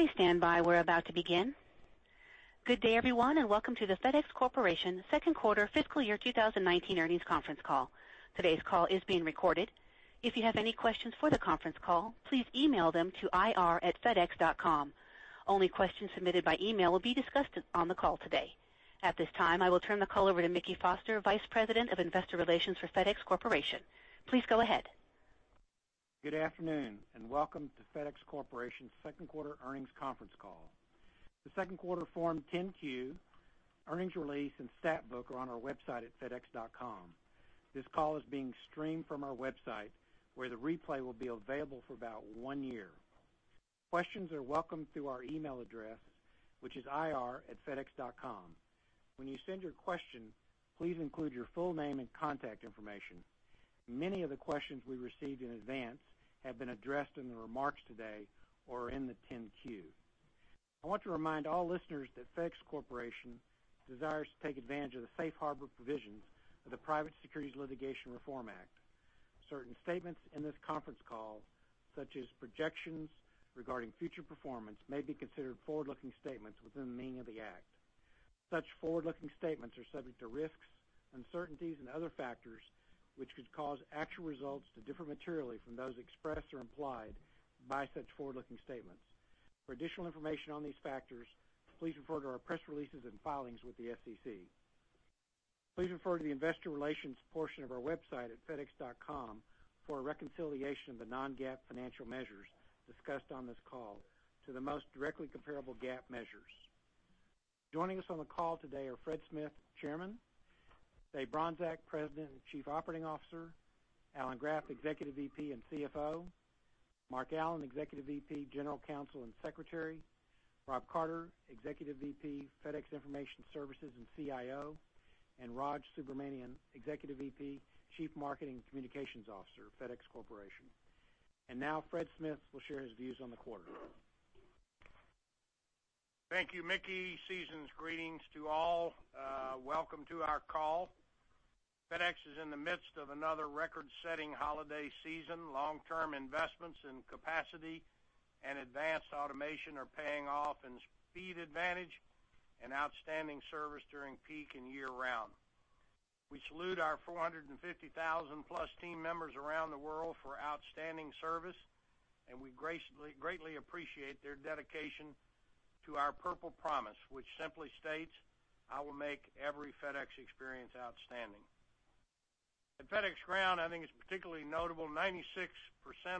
Please stand by. We are about to begin. Good day, everyone, and welcome to the FedEx Corporation Second Quarter Fiscal Year 2019 Earnings Conference Call. Today's call is being recorded. If you have any questions for the conference call, please email them to ir@fedex.com. Only questions submitted by email will be discussed on the call today. At this time, I will turn the call over to Mickey Foster, Vice President of Investor Relations for FedEx Corporation. Please go ahead. Good afternoon, and welcome to FedEx Corporation's second quarter earnings conference call. The second quarter Form 10-Q, earnings release, and stat book are on our website at fedex.com. This call is being streamed from our website, where the replay will be available for about one year. Questions are welcome through our email address, which is ir@fedex.com. When you send your question, please include your full name and contact information. Many of the questions we received in advance have been addressed in the remarks today or are in the 10-Q. I want to remind all listeners that FedEx Corporation desires to take advantage of the safe harbor provisions of the Private Securities Litigation Reform Act. Certain statements in this conference call, such as projections regarding future performance, may be considered forward-looking statements within the meaning of the act. Such forward-looking statements are subject to risks, uncertainties, and other factors which could cause actual results to differ materially from those expressed or implied by such forward-looking statements. For additional information on these factors, please refer to our press releases and filings with the SEC. Please refer to the investor relations portion of our website at fedex.com for a reconciliation of the non-GAAP financial measures discussed on this call to the most directly comparable GAAP measures. Joining us on the call today are Fred Smith, Chairman; Dave Bronczek, President and Chief Operating Officer; Alan Graf, Executive VP and CFO; Mark Allen, Executive VP, General Counsel, and Secretary; Rob Carter, Executive VP, FedEx Information Services, and CIO; and Raj Subramaniam, Executive VP, Chief Marketing Communications Officer, FedEx Corporation. Fred Smith will share his views on the quarter. Thank you, Mickey. Season's greetings to all. Welcome to our call. FedEx is in the midst of another record-setting holiday season. Long-term investments in capacity and advanced automation are paying off in speed advantage and outstanding service during peak and year-round. We salute our 450,000+ team members around the world for outstanding service, and we greatly appreciate their dedication to our Purple Promise, which simply states, "I will make every FedEx experience outstanding." At FedEx Ground, I think it's particularly notable 96%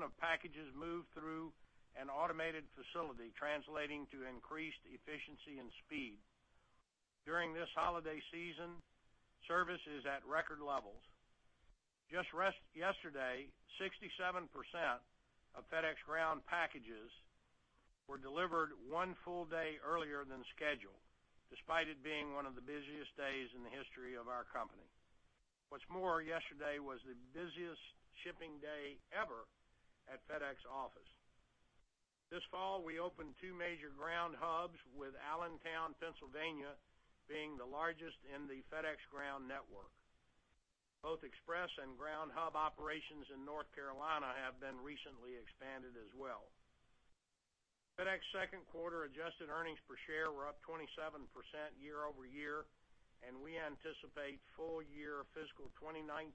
of packages move through an automated facility, translating to increased efficiency and speed. During this holiday season, service is at record levels. Just yesterday, 67% of FedEx Ground packages were delivered one full day earlier than scheduled, despite it being one of the busiest days in the history of our company. What's more, yesterday was the busiest shipping day ever at FedEx Office. This fall, we opened two major ground hubs with Allentown, Pennsylvania, being the largest in the FedEx Ground network. Both Express and Ground hub operations in North Carolina have been recently expanded as well. FedEx second quarter adjusted earnings per share were up 27% year-over-year. We anticipate full year fiscal 2019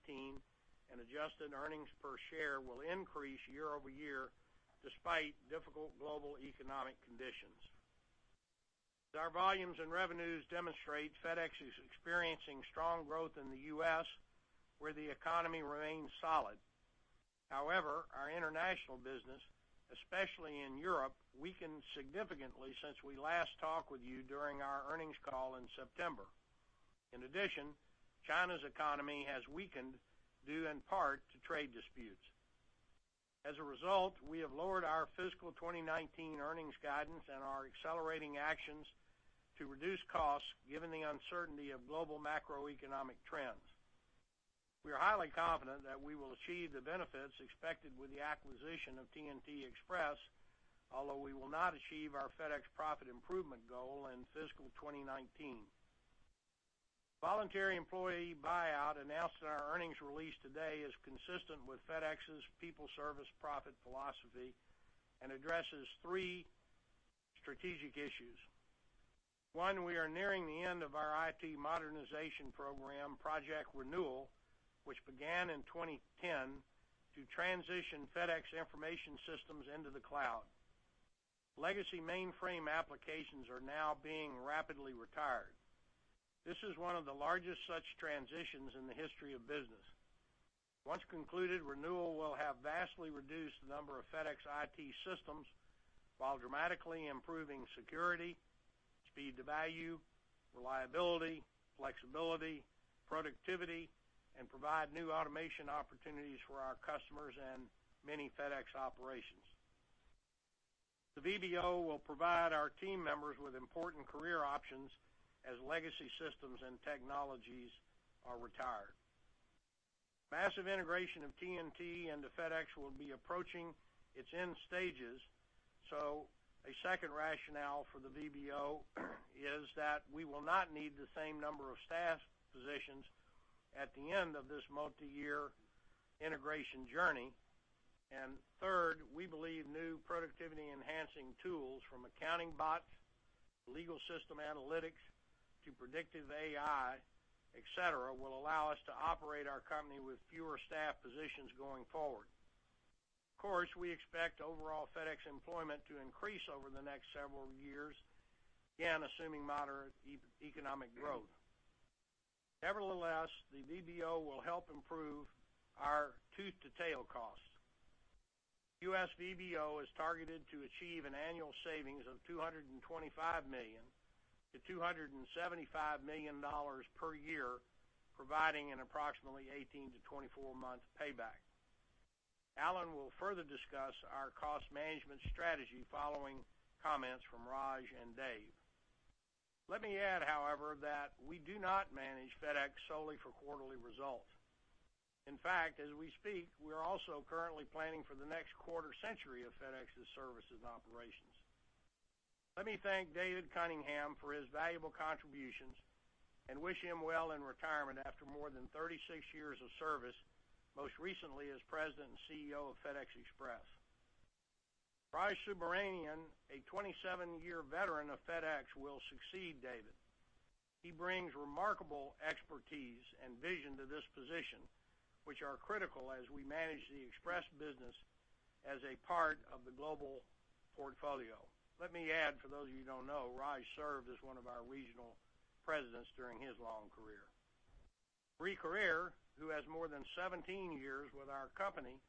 adjusted earnings per share will increase year-over-year despite difficult global economic conditions. As our volumes and revenues demonstrate, FedEx is experiencing strong growth in the U.S., where the economy remains solid. Our international business, especially in Europe, weakened significantly since we last talked with you during our earnings call in September. China's economy has weakened due in part to trade disputes. We have lowered our fiscal 2019 earnings guidance and are accelerating actions to reduce costs given the uncertainty of global macroeconomic trends. We are highly confident that we will achieve the benefits expected with the acquisition of TNT Express, although we will not achieve our FedEx profit improvement goal in fiscal 2019. Voluntary employee buyout announced in our earnings release today is consistent with FedEx's people, service, profit philosophy and addresses three strategic issues. One, we are nearing the end of our IT modernization program, Project Renewal, which began in 2010 to transition FedEx Information Systems into the cloud. Legacy mainframe applications are now being rapidly retired. This is one of the largest such transitions in the history of business. Once concluded, Renewal will have vastly reduced the number of FedEx IT systems while dramatically improving security, speed to value, reliability, flexibility, productivity, and provide new automation opportunities for our customers and many FedEx operations. The VBO will provide our team members with important career options as legacy systems and technologies are retired. Massive integration of TNT into FedEx will be approaching its end stages. A second rationale for the VBO is that we will not need the same number of staff positions at the end of this multi-year integration journey. Third, we believe new productivity-enhancing tools from accounting bots, legal system analytics to predictive AI, et cetera, will allow us to operate our company with fewer staff positions going forward. Of course, we expect overall FedEx employment to increase over the next several years, again, assuming moderate economic growth. Nevertheless, the VBO will help improve our tooth-to-tail costs. U.S. VBO is targeted to achieve an annual savings of $225 million-$275 million per year, providing an approximately 18-24 month payback. Alan will further discuss our cost management strategy following comments from Raj and Dave. Let me add, however, that we do not manage FedEx solely for quarterly results. In fact, as we speak, we're also currently planning for the next quarter century of FedEx's services and operations. Let me thank David Cunningham for his valuable contributions and wish him well in retirement after more than 36 years of service, most recently as President and CEO of FedEx Express. Raj Subramaniam, a 27-year veteran of FedEx, will succeed David. He brings remarkable expertise and vision to this position, which are critical as we manage the Express business as a part of the global portfolio. Let me add, for those of you who don't know, Raj served as one of our regional presidents during his long career. Brie Carere, who has more than 17 years with our company,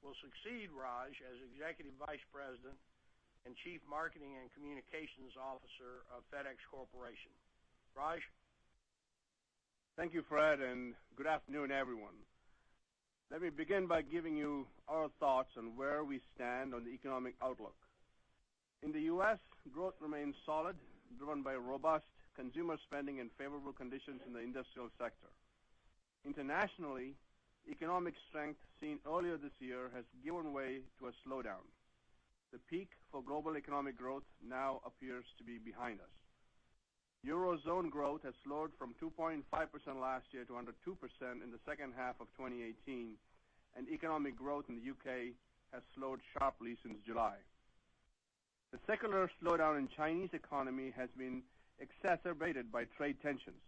will succeed Raj as Executive Vice President and Chief Marketing and Communications Officer of FedEx Corporation. Raj? Thank you, Fred, good afternoon, everyone. Let me begin by giving you our thoughts on where we stand on the economic outlook. In the U.S., growth remains solid, driven by robust consumer spending and favorable conditions in the industrial sector. Internationally, economic strength seen earlier this year has given way to a slowdown. The peak for global economic growth now appears to be behind us. Eurozone growth has slowed from 2.5% last year to under 2% in the second half of 2018, and economic growth in the U.K. has slowed sharply since July. The secular slowdown in Chinese economy has been exacerbated by trade tensions.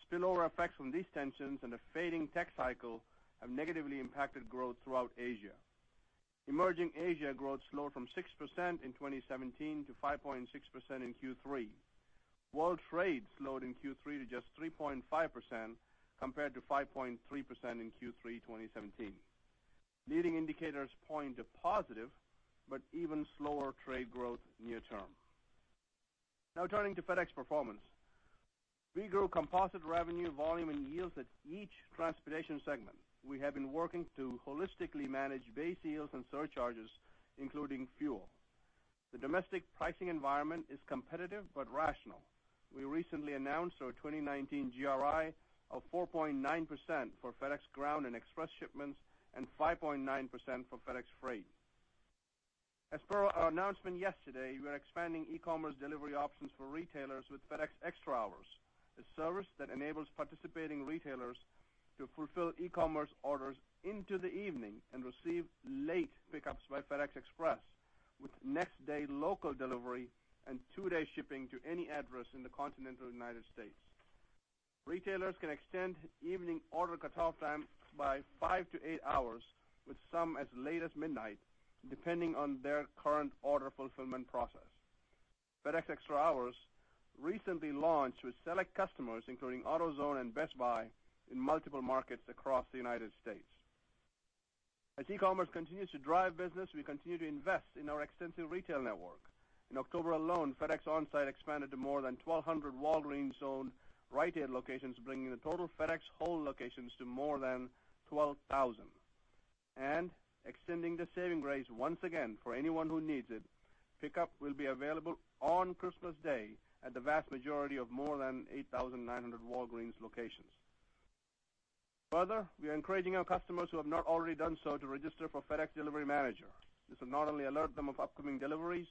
Spillover effects from these tensions and a fading tech cycle have negatively impacted growth throughout Asia. Emerging Asia growth slowed from 6% in 2017 to 5.6% in Q3. World trade slowed in Q3 to just 3.5%, compared to 5.3% in Q3 2017. Leading indicators point to positive but even slower trade growth near term. Now turning to FedEx performance. We grew composite revenue volume and yields at each transportation segment. We have been working to holistically manage base yields and surcharges, including fuel. The domestic pricing environment is competitive but rational. We recently announced our 2019 GRI of 4.9% for FedEx Ground and Express shipments and 5.9% for FedEx Freight. As per our announcement yesterday, we are expanding e-commerce delivery options for retailers with FedEx Extra Hours, a service that enables participating retailers to fulfill e-commerce orders into the evening and receive late pickups by FedEx Express with next day local delivery and two-day shipping to any address in the continental United States. Retailers can extend evening order cutoff times by five-eight hours, with some as late as midnight, depending on their current order fulfillment process. FedEx Extra Hours recently launched with select customers, including AutoZone and Best Buy, in multiple markets across the United States. As e-commerce continues to drive business, we continue to invest in our extensive retail network. In October alone, FedEx OnSite expanded to more than 1,200 Walgreens-owned Rite Aid locations, bringing the total FedEx hold locations to more than 12,000. Extending the saving grace once again for anyone who needs it, pickup will be available on Christmas Day at the vast majority of more than 8,900 Walgreens locations. Further, we are encouraging our customers who have not already done so to register for FedEx Delivery Manager. This will not only alert them of upcoming deliveries,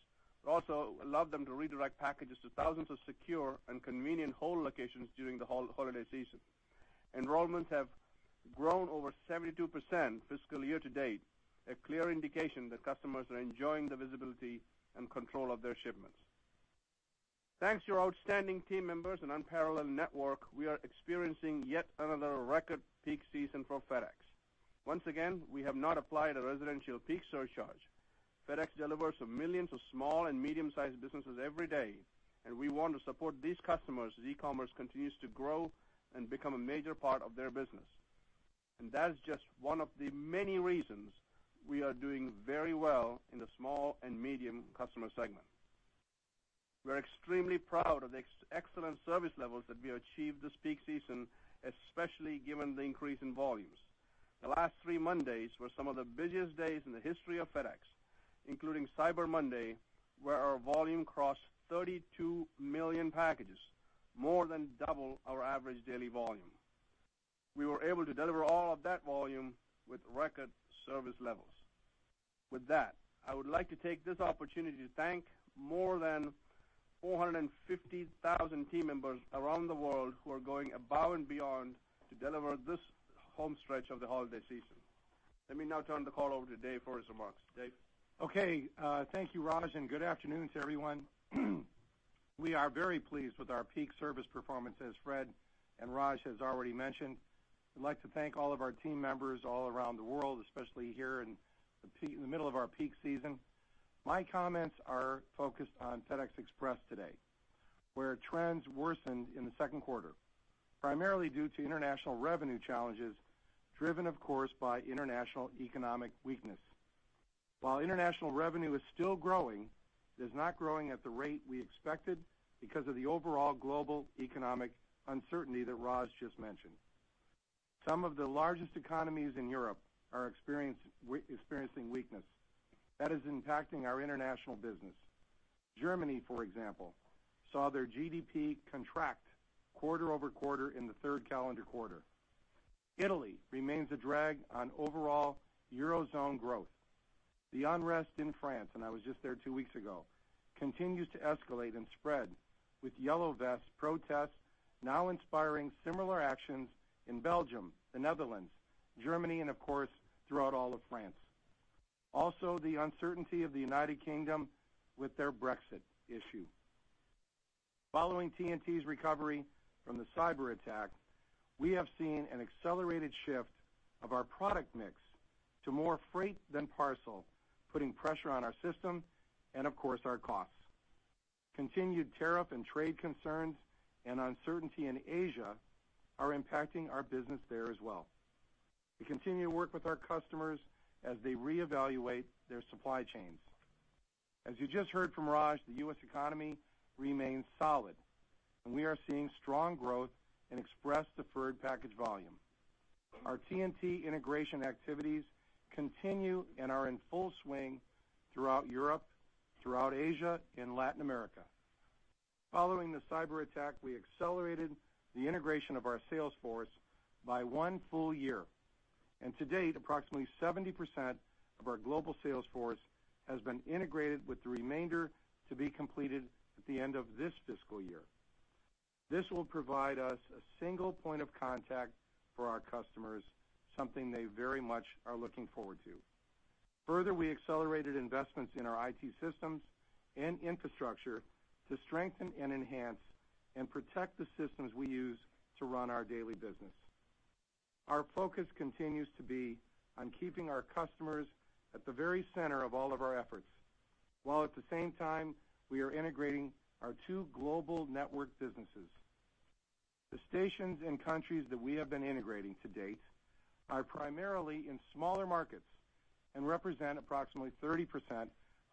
but also allow them to redirect packages to thousands of secure and convenient hold locations during the holiday season. Enrollments have grown over 72% fiscal year-to-date, a clear indication that customers are enjoying the visibility and control of their shipments. Thanks to our outstanding team members and unparalleled network, we are experiencing yet another record peak season for FedEx. Once again, we have not applied a residential peak surcharge. FedEx delivers to millions of small and medium-sized businesses every day, and we want to support these customers as e-commerce continues to grow and become a major part of their business. That's just one of the many reasons we are doing very well in the small and medium customer segment. We're extremely proud of the excellent service levels that we achieved this peak season, especially given the increase in volumes. The last three Mondays were some of the busiest days in the history of FedEx, including Cyber Monday, where our volume crossed 32 million packages, more than double our average daily volume. We were able to deliver all of that volume with record service levels. With that, I would like to take this opportunity to thank more than 450,000 team members around the world who are going above and beyond to deliver this home stretch of the holiday season. Let me now turn the call over to Dave for his remarks. Dave? Okay. Thank you, Raj, and good afternoon to everyone. We are very pleased with our peak service performance, as Fred and Raj has already mentioned. I'd like to thank all of our team members all around the world, especially here in the middle of our peak season. My comments are focused on FedEx Express today, where trends worsened in the second quarter, primarily due to international revenue challenges, driven, of course, by international economic weakness. While international revenue is still growing, it is not growing at the rate we expected because of the overall global economic uncertainty that Raj just mentioned. Some of the largest economies in Europe are experiencing weakness that is impacting our international business. Germany, for example, saw their GDP contract quarter-over-quarter in the third calendar quarter. Italy remains a drag on overall eurozone growth. The unrest in France, and I was just there two weeks ago, continues to escalate and spread, with Yellow Vests protests now inspiring similar actions in Belgium, the Netherlands, Germany, and of course, throughout all of France. Also, the uncertainty of the United Kingdom with their Brexit issue. Following TNT's recovery from the cyberattack, we have seen an accelerated shift of our product mix to more freight than parcel, putting pressure on our system and, of course, our costs. Continued tariff and trade concerns and uncertainty in Asia are impacting our business there as well. As you just heard from Raj, the U.S. economy remains solid, and we are seeing strong growth in Express deferred package volume. Our TNT integration activities continue and are in full swing throughout Europe, throughout Asia and Latin America. Following the cyberattack, we accelerated the integration of our sales force by one full year, to date, approximately 70% of our global sales force has been integrated, with the remainder to be completed at the end of this fiscal year. This will provide us a single point of contact for our customers, something they very much are looking forward to. Further, we accelerated investments in our IT systems and infrastructure to strengthen and enhance and protect the systems we use to run our daily business. Our focus continues to be on keeping our customers at the very center of all of our efforts, while at the same time, we are integrating our two global network businesses. The stations and countries that we have been integrating to date are primarily in smaller markets and represent approximately 30%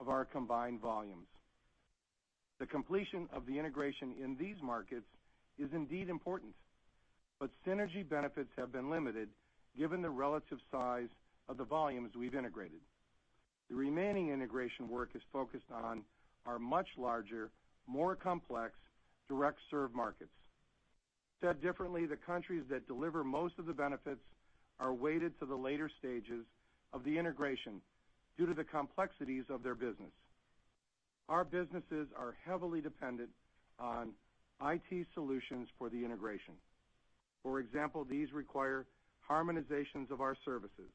of our combined volumes. The completion of the integration in these markets is indeed important, Synergy benefits have been limited given the relative size of the volumes we've integrated. The remaining integration work is focused on our much larger, more complex direct serve markets. Said differently, the countries that deliver most of the benefits are weighted to the later stages of the integration due to the complexities of their business. Our businesses are heavily dependent on IT solutions for the integration. For example, these require harmonizations of our services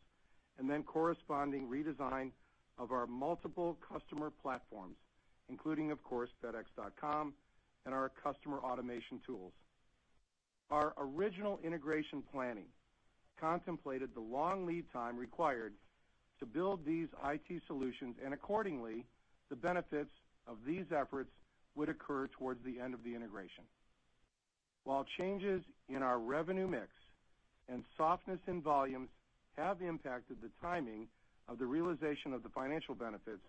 and then corresponding redesign of our multiple customer platforms, including, of course, fedex.com and our customer automation tools. Our original integration planning contemplated the long lead time required to build these IT solutions, Accordingly, the benefits of these efforts would occur towards the end of the integration. While changes in our revenue mix and softness in volumes have impacted the timing of the realization of the financial benefits,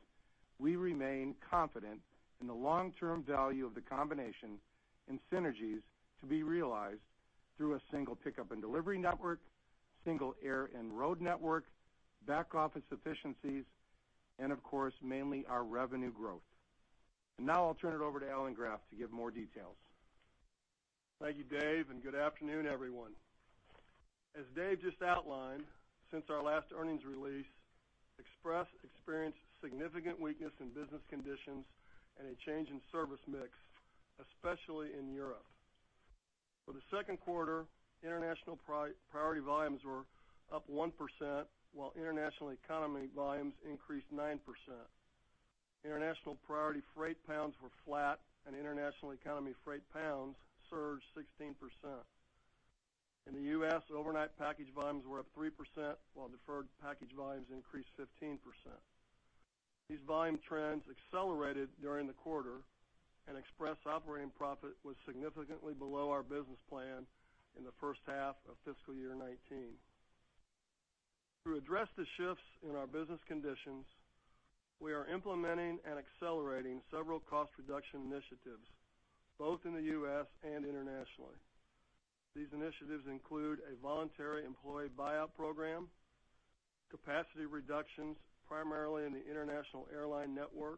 we remain confident in the long-term value of the combination and synergies to be realized through a single pickup and delivery network, single air and road network, back office efficiencies, and of course, mainly our revenue growth. Now I'll turn it over to Alan Graf to give more details. Thank you, Dave. Good afternoon, everyone. As Dave just outlined, since our last earnings release, Express experienced significant weakness in business conditions and a change in service mix, especially in Europe. For the second quarter, international priority volumes were up 1%, while international economy volumes increased 9%. International priority freight pounds were flat, International economy freight pounds surged 16%. In the U.S., overnight package volumes were up 3%, while deferred package volumes increased 15%. These volume trends accelerated during the quarter, Express operating profit was significantly below our business plan in the first half of FY 2019. To address the shifts in our business conditions, we are implementing and accelerating several cost reduction initiatives, both in the U.S. and internationally. These initiatives include a voluntary employee buyout program, Capacity reductions primarily in the international airline network,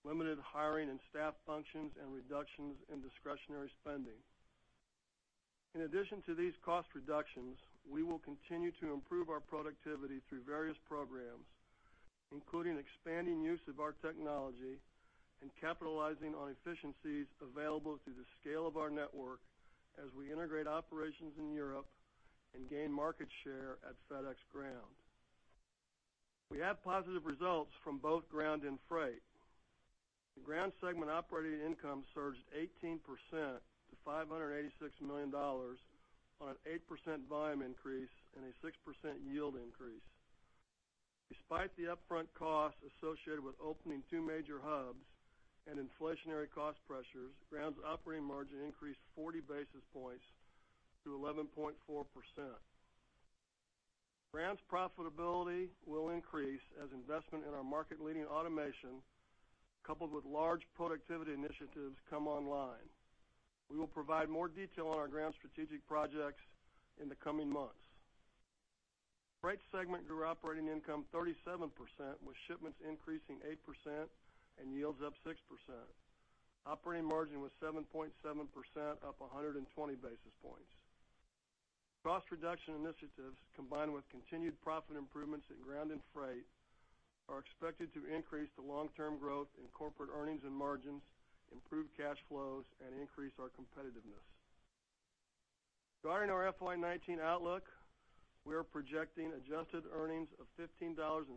limited hiring and staff functions, and reductions in discretionary spending. In addition to these cost reductions, we will continue to improve our productivity through various programs, including expanding use of our technology and capitalizing on efficiencies available through the scale of our network as we integrate operations in Europe and gain market share at FedEx Ground. We have positive results from both Ground and Freight. The Ground segment operating income surged 18% to $586 million on an 8% volume increase and a 6% yield increase. Despite the upfront costs associated with opening two major hubs and inflationary cost pressures, Ground's operating margin increased 40 basis points to 11.4%. Ground's profitability will increase as investment in our market-leading automation, coupled with large productivity initiatives, come online. We will provide more detail on our Ground strategic projects in the coming months. Freight segment grew operating income 37%, with shipments increasing 8% and yields up 6%. Operating margin was 7.7%, up 120 basis points. Cost reduction initiatives, combined with continued profit improvements in Ground and Freight, are expected to increase the long-term growth in corporate earnings and margins, improve cash flows, and increase our competitiveness. Regarding our FY 2019 outlook, we are projecting adjusted earnings of $15.50-$16.60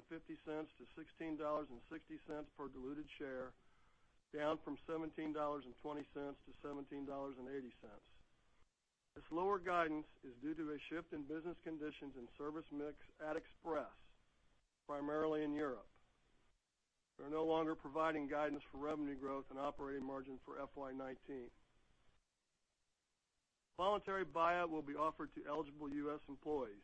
per diluted share, down from $17.20-$17.80. This lower guidance is due to a shift in business conditions and service mix at Express, primarily in Europe. We are no longer providing guidance for revenue growth and operating margin for FY 2019. A voluntary buyout will be offered to eligible U.S. employees.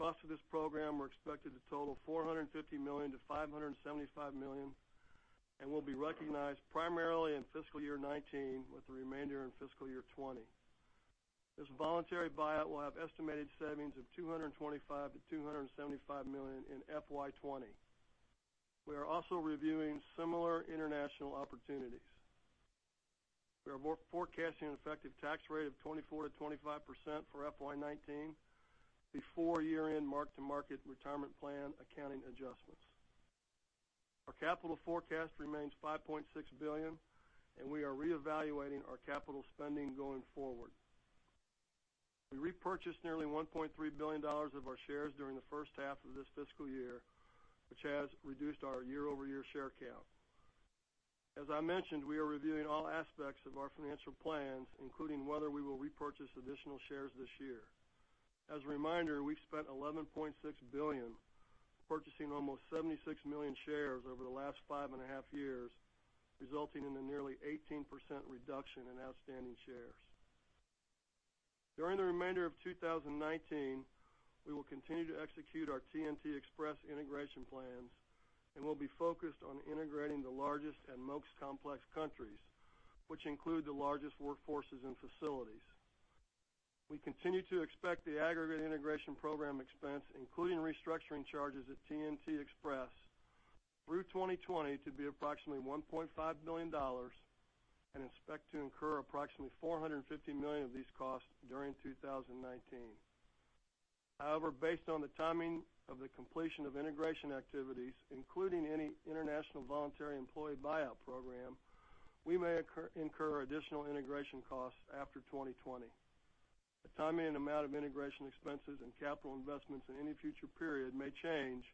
Costs for this program are expected to total $450 million-$575 million and will be recognized primarily in fiscal year 2019, with the remainder in fiscal year 2020. This voluntary buyout will have estimated savings of $225 million-$275 million in FY 2020. We are also reviewing similar international opportunities. We are forecasting an effective tax rate of 24%-25% for FY 2019 before year-end mark-to-market retirement plan accounting adjustments. Our capital forecast remains $5.6 billion, and we are reevaluating our capital spending going forward. We repurchased nearly $1.3 billion of our shares during the first half of this fiscal year, which has reduced our year-over-year share count. As I mentioned, we are reviewing all aspects of our financial plans, including whether we will repurchase additional shares this year. As a reminder, we've spent $11.6 billion purchasing almost 76 million shares over the last 5.5 years, resulting in a nearly 18% reduction in outstanding shares. During the remainder of 2019, we will continue to execute our TNT Express integration plans and will be focused on integrating the largest and most complex countries, which include the largest workforces and facilities. We continue to expect the aggregate integration program expense, including restructuring charges at TNT Express through 2020, to be approximately $1.5 billion and expect to incur approximately $450 million of these costs during 2019. However, based on the timing of the completion of integration activities, including any international voluntary employee buyout program, we may incur additional integration costs after 2020. The timing and amount of integration expenses and capital investments in any future period may change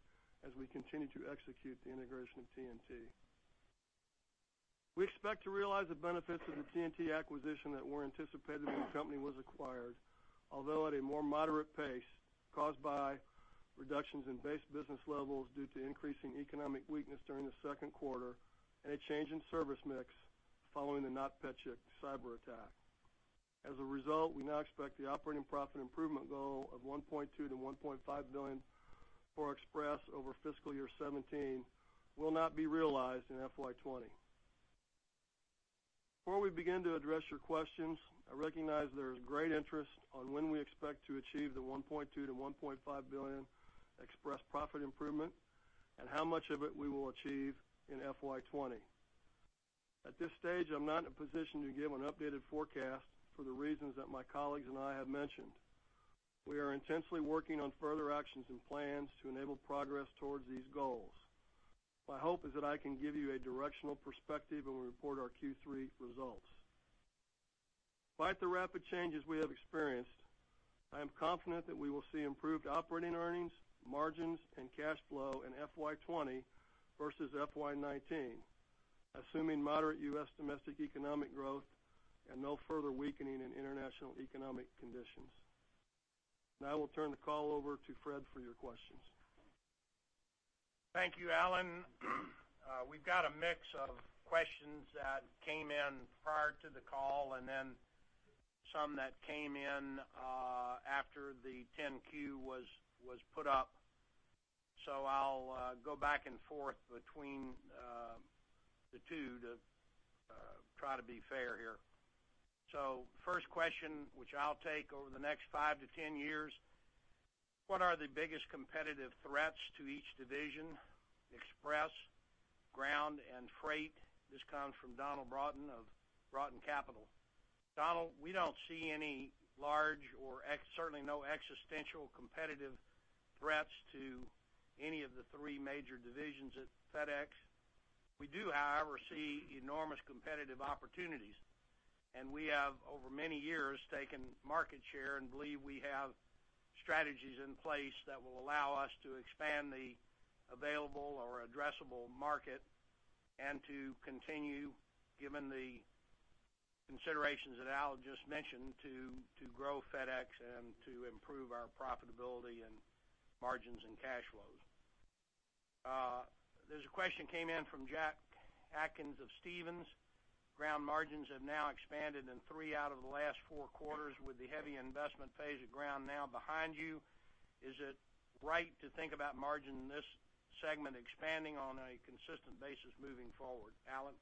as we continue to execute the integration of TNT. We expect to realize the benefits of the TNT acquisition that were anticipated when the company was acquired, although at a more moderate pace caused by reductions in base business levels due to increasing economic weakness during the second quarter and a change in service mix following the NotPetya cyberattack. As a result, we now expect the operating profit improvement goal of $1.2 billion-$1.5 billion for Express over fiscal year 2017 will not be realized in FY 2020. Before we begin to address your questions, I recognize there is great interest on when we expect to achieve the $1.2 billion-$1.5 billion Express profit improvement and how much of it we will achieve in FY 2020. At this stage, I'm not in a position to give an updated forecast for the reasons that my colleagues and I have mentioned. We are intensely working on further actions and plans to enable progress towards these goals. My hope is that I can give you a directional perspective when we report our Q3 results. Despite the rapid changes we have experienced, I am confident that we will see improved operating earnings, margins, and cash flow in FY 2020 versus FY 2019, assuming moderate U.S. domestic economic growth and no further weakening in international economic conditions. I will turn the call over to Fred for your questions. Thank you, Alan. We've got a mix of questions that came in prior to the call and then some that came in after the Form 10-Q was put up. I'll go back and forth between the two to try to be fair here. First question, which I'll take. Over the next 5-10 years, what are the biggest competitive threats to each division, Express, Ground, and Freight? This comes from Donald Broughton of Broughton Capital. Donald, we don't see any large or certainly no existential competitive threats to any of the three major divisions at FedEx. We do, however, see enormous competitive opportunities, and we have over many years taken market share and believe we have strategies in place that will allow us to expand the available or addressable market and to continue, given the considerations that Alan just mentioned, to grow FedEx and to improve our profitability and margins and cash flows. There's a question came in from Jack Atkins of Stephens. Ground margins have now expanded in three out of the last four quarters. With the heavy investment phase of Ground now behind you, is it right to think about margin in this segment expanding on a consistent basis moving forward? Alan?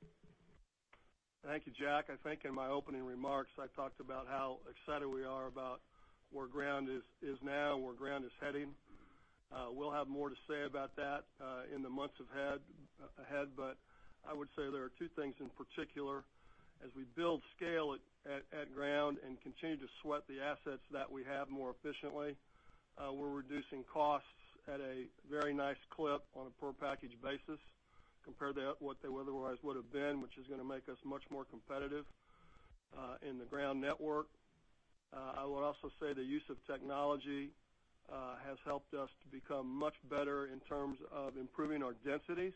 Thank you, Jack. I think in my opening remarks, I talked about how excited we are about where FedEx Ground is now, where FedEx Ground is heading. We'll have more to say about that in the months ahead. I would say there are two things in particular. As we build scale at FedEx Ground and continue to sweat the assets that we have more efficiently, we're reducing costs at a very nice clip on a per package basis compared to what they otherwise would've been, which is going to make us much more competitive in the FedEx Ground network. I would also say the use of technology has helped us to become much better in terms of improving our densities.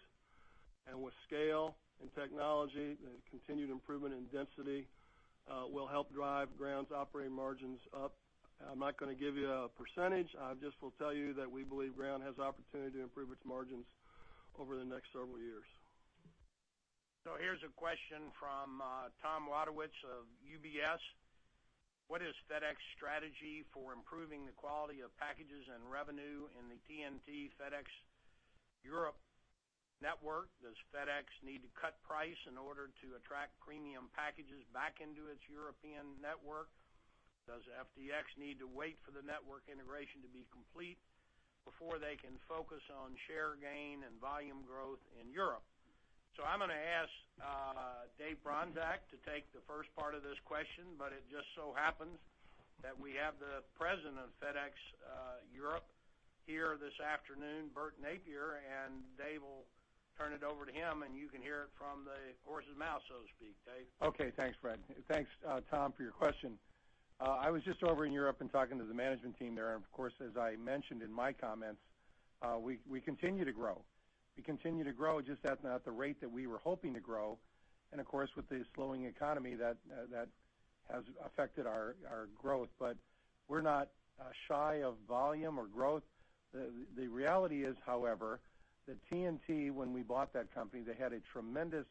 With scale and technology, the continued improvement in density will help drive FedEx Ground's operating margins up. I'm not going to give you a percentage. I just will tell you that we believe FedEx Ground has opportunity to improve its margins over the next several years. Here's a question from Tom Wadewitz of UBS. What is FedEx's strategy for improving the quality of packages and revenue in the TNT FedEx Europe network? Does FedEx need to cut price in order to attract premium packages back into its European network? Does FDX need to wait for the network integration to be complete before they can focus on share gain and volume growth in Europe? I'm going to ask Dave Bronczek to take the first part of this question, but it just so happens that we have the President of FedEx Europe here this afternoon, Bert Nappier, and Dave will turn it over to him, and you can hear it from the horse's mouth, so to speak. Dave? Okay. Thanks, Fred. Thanks, Tom, for your question. I was just over in Europe and talking to the management team there, of course, as I mentioned in my comments, we continue to grow. We continue to grow, just not at the rate that we were hoping to grow. Of course, with the slowing economy, that has affected our growth. We're not shy of volume or growth. The reality is, however, that TNT, when we bought that company, they had a tremendous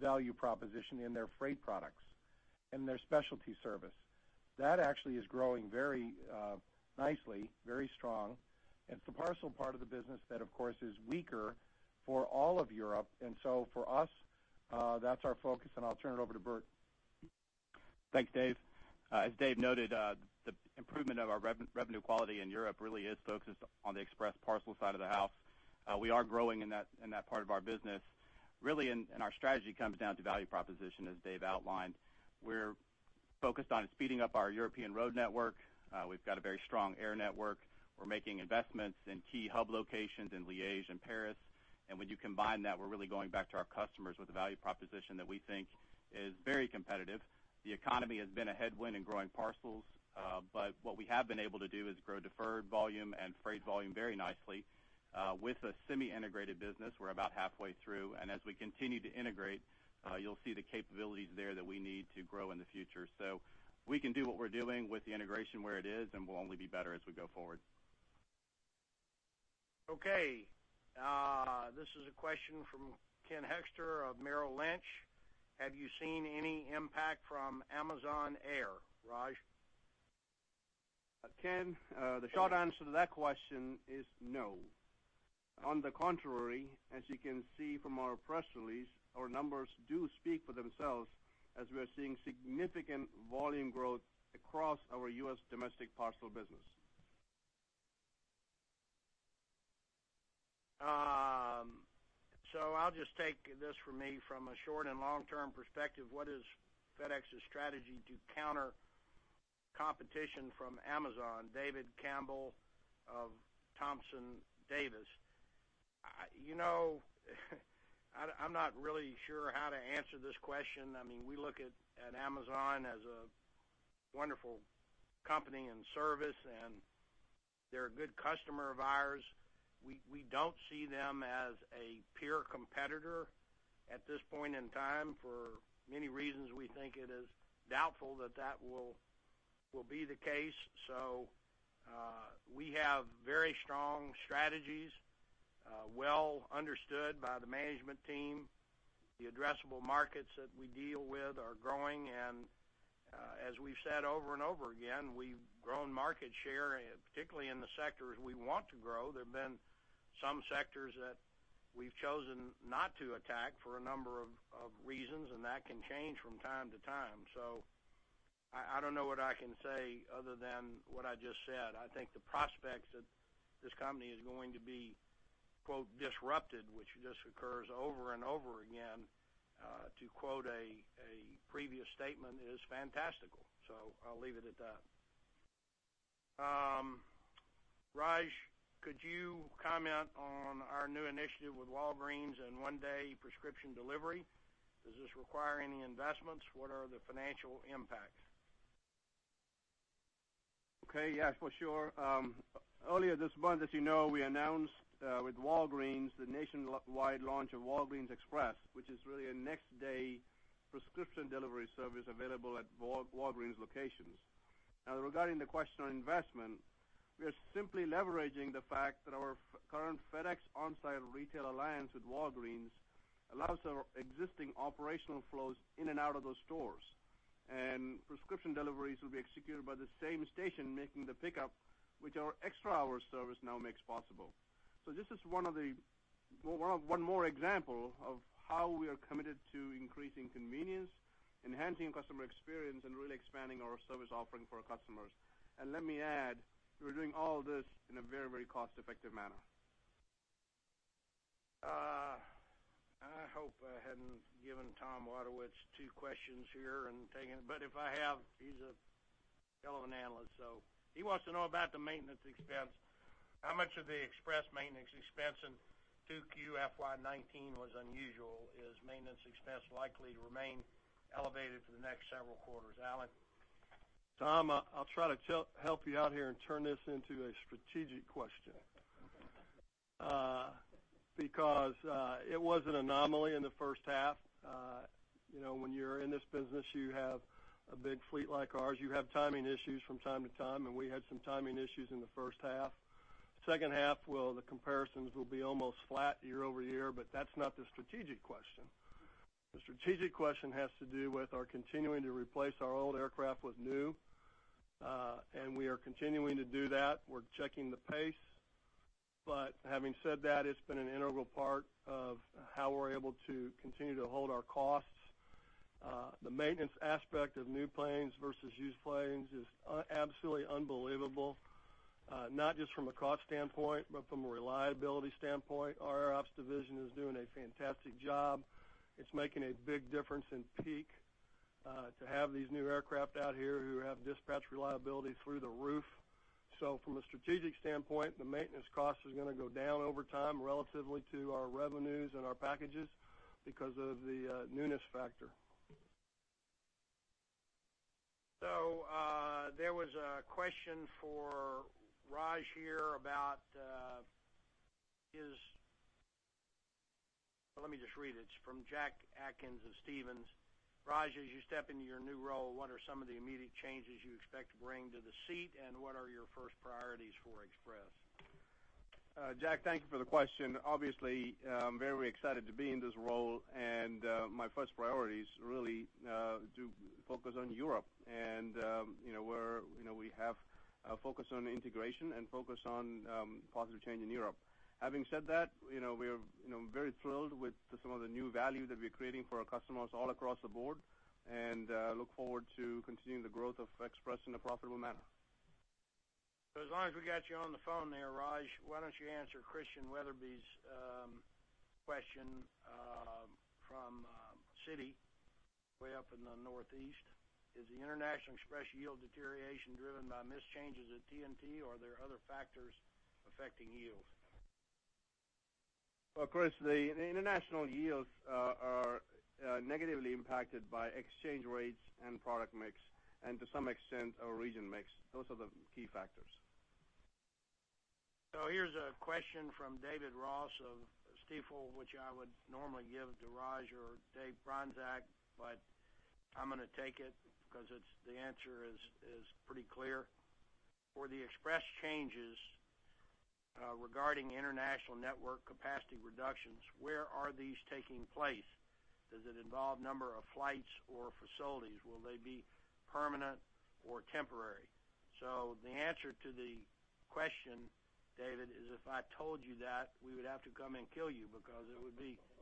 value proposition in their freight products and their specialty service. That actually is growing very nicely, very strong. It's the parcel part of the business that, of course, is weaker for all of Europe. For us, that's our focus, and I'll turn it over to Bert. Thanks, Dave. As Dave noted, the improvement of our revenue quality in Europe really is focused on the express parcel side of the house. We are growing in that part of our business. Our strategy comes down to value proposition, as Dave outlined. We're focused on speeding up our European road network. We've got a very strong air network. We're making investments in key hub locations in Liege and Paris. When you combine that, we're really going back to our customers with a value proposition that we think is very competitive. The economy has been a headwind in growing parcels. What we have been able to do is grow deferred volume and freight volume very nicely. With a semi-integrated business, we're about halfway through, as we continue to integrate, you'll see the capabilities there that we need to grow in the future. We can do what we're doing with the integration where it is, we'll only be better as we go forward. This is a question from Ken Hoexter of Merrill Lynch. Have you seen any impact from Amazon Air? Raj? Ken, the short answer to that question is no. On the contrary, as you can see from our press release, our numbers do speak for themselves as we're seeing significant volume growth across our U.S. domestic parcel business. I'll just take this for me. From a short and long-term perspective, what is FedEx's strategy to counter competition from Amazon? David Campbell of Thompson, Davis. I'm not really sure how to answer this question. We look at Amazon as a wonderful company and service, and they're a good customer of ours. We don't see them as a peer competitor at this point in time. For many reasons, we think it is doubtful that that will be the case. We have very strong strategies, well understood by the management team. The addressable markets that we deal with are growing. As we've said over and over again, we've grown market share, particularly in the sectors we want to grow. There have been some sectors that we've chosen not to attack for a number of reasons, and that can change from time to time. I don't know what I can say other than what I just said. I think the prospects that this company is going to be, quote, "disrupted," which just occurs over and over again, to quote a previous statement, is fantastical. I'll leave it at that. Raj, could you comment on our new initiative with Walgreens and one-day prescription delivery? Does this require any investments? What are the financial impacts? Okay. Yes, for sure. Earlier this month, as you know, we announced with Walgreens the nationwide launch of Walgreens Express, which is really a next-day prescription delivery service available at Walgreens locations. Now, regarding the question on investment, we are simply leveraging the fact that our current FedEx OnSite retail alliance with Walgreens allows our existing operational flows in and out of those stores, and prescription deliveries will be executed by the same station making the pickup, which our FedEx Extra Hours service now makes possible. This is one more example of how we are committed to increasing convenience, enhancing customer experience, and really expanding our service offering for our customers. Let me add, we're doing all this in a very cost-effective manner. I hope I hadn't given Tom Wadewitz two questions here and taken it. If I have, he's a hell of an analyst. He wants to know about the maintenance expense. How much of the Express maintenance expense in 2Q FY 2019 was unusual? Is maintenance expense likely to remain elevated for the next several quarters? Alan? Tom, I'll try to help you out here and turn this into a strategic question. It was an anomaly in the first half. When you're in this business, you have a big fleet like ours. You have timing issues from time to time, and we had some timing issues in the first half. Second half, the comparisons will be almost flat year-over-year, that's not the strategic question. The strategic question has to do with our continuing to replace our old aircraft with new. We are continuing to do that. We're checking the pace. Having said that, it's been an integral part of how we're able to continue to hold our costs. The maintenance aspect of new planes versus used planes is absolutely unbelievable, not just from a cost standpoint, but from a reliability standpoint. Our Ops division is doing a fantastic job. It's making a big difference in peak to have these new aircraft out here who have dispatch reliability through the roof. From a strategic standpoint, the maintenance cost is going to go down over time relatively to our revenues and our packages because of the newness factor. There was a question for Raj here. Let me just read it. It's from Jack Atkins of Stephens. Raj, as you step into your new role, what are some of the immediate changes you expect to bring to the seat, and what are your first priorities for Express? Jack, thank you for the question. Obviously, I'm very excited to be in this role, my first priority is really to focus on Europe and where we have a focus on integration and focus on positive change in Europe. Having said that, we are very thrilled with some of the new value that we're creating for our customers all across the board and look forward to continuing the growth of Express in a profitable manner. As long as we got you on the phone there, Raj, why don't you answer Christian Wetherbee's question from Citi, way up in the Northeast. Is the International Express yield deterioration driven by missed changes at TNT, or are there other factors affecting yields? Well, Chris, the international yields are negatively impacted by exchange rates and product mix and to some extent, our region mix. Those are the key factors. Here's a question from David Ross of Stifel, which I would normally give to Raj or Dave Bronczek, but I'm going to take it because the answer is pretty clear. For the Express changes regarding international network capacity reductions, where are these taking place? Does it involve number of flights or facilities? Will they be permanent or temporary? The answer to the question, David, is if I told you that, we would have to come and kill you because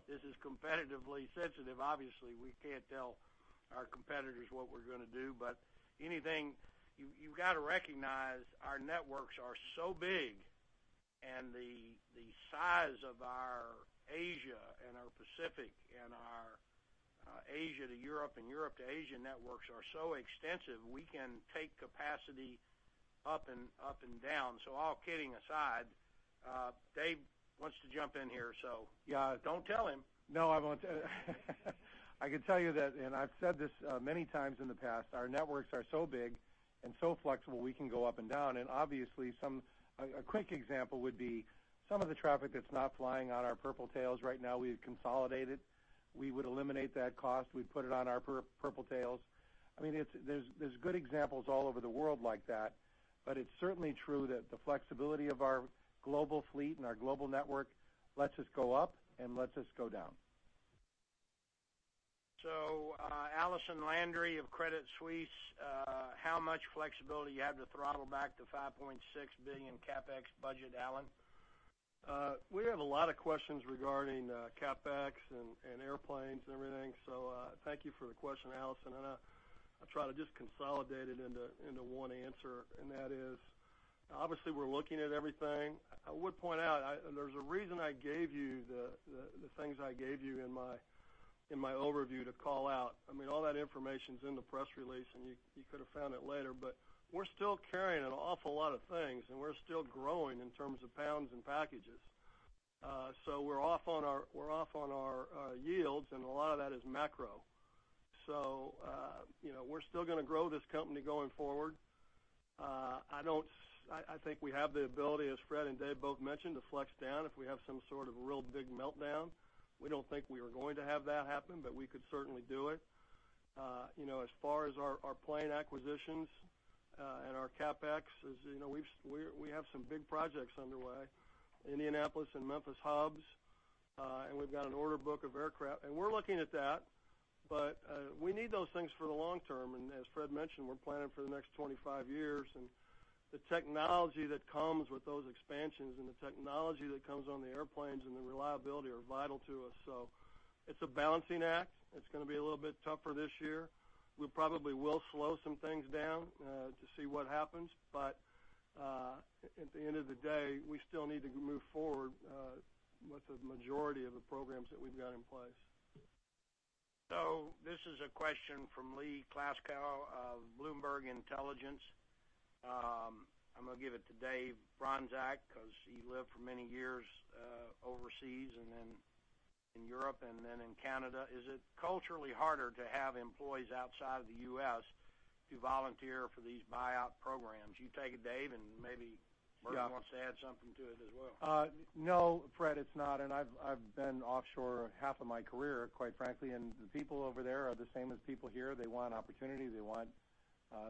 this is competitively sensitive. Obviously, we can't tell our competitors what we're going to do. You've got to recognize our networks are so big, and the size of our Asia and our Pacific and our Asia to Europe and Europe to Asia networks are so extensive, we can take capacity up and down. All kidding aside, Dave wants to jump in here, so don't tell him. No, I won't. I can tell you that, and I've said this many times in the past, our networks are so big and so flexible, we can go up and down. Obviously, a quick example would be some of the traffic that's not flying on our purple tails right now, we've consolidated. We would eliminate that cost. We'd put it on our purple tails. There's good examples all over the world like that, it's certainly true that the flexibility of our global fleet and our global network lets us go up and lets us go down. Allison Landry of Credit Suisse: How much flexibility you have to throttle back the $5.6 billion CapEx budget, Alan? We have a lot of questions regarding CapEx and airplanes and everything. Thank you for the question, Allison, I'll try to just consolidate it into one answer, that is, obviously, we're looking at everything. I would point out, there's a reason I gave you the things I gave you in my overview to call out. All that information's in the press release, you could've found it later, we're still carrying an awful lot of things, we're still growing in terms of pounds and packages. We're off on our yields, a lot of that is macro. We're still going to grow this company going forward. I think we have the ability, as Fred and Dave both mentioned, to flex down if we have some sort of real big meltdown. We don't think we are going to have that happen, we could certainly do it. As far as our plane acquisitions and our CapEx, as you know, we have some big projects underway, Indianapolis and Memphis hubs, we've got an order book of aircraft, we're looking at that, we need those things for the long term. As Fred mentioned, we're planning for the next 25 years, the technology that comes with those expansions, the technology that comes on the airplanes, the reliability are vital to us. It's a balancing act. It's going to be a little bit tougher this year. We probably will slow some things down to see what happens. At the end of the day, we still need to move forward with the majority of the programs that we've got in place. This is a question from Lee Klaskow of Bloomberg Intelligence. I'm going to give it to Dave Bronczek because he lived for many years overseas, then in Europe, then in Canada. Is it culturally harder to have employees outside of the U.S. to volunteer for these buyout programs? You take it, Dave, maybe Bert wants to add something to it as well. No, Fred, it's not, and I've been offshore half of my career, quite frankly, and the people over there are the same as people here. They want opportunity. They want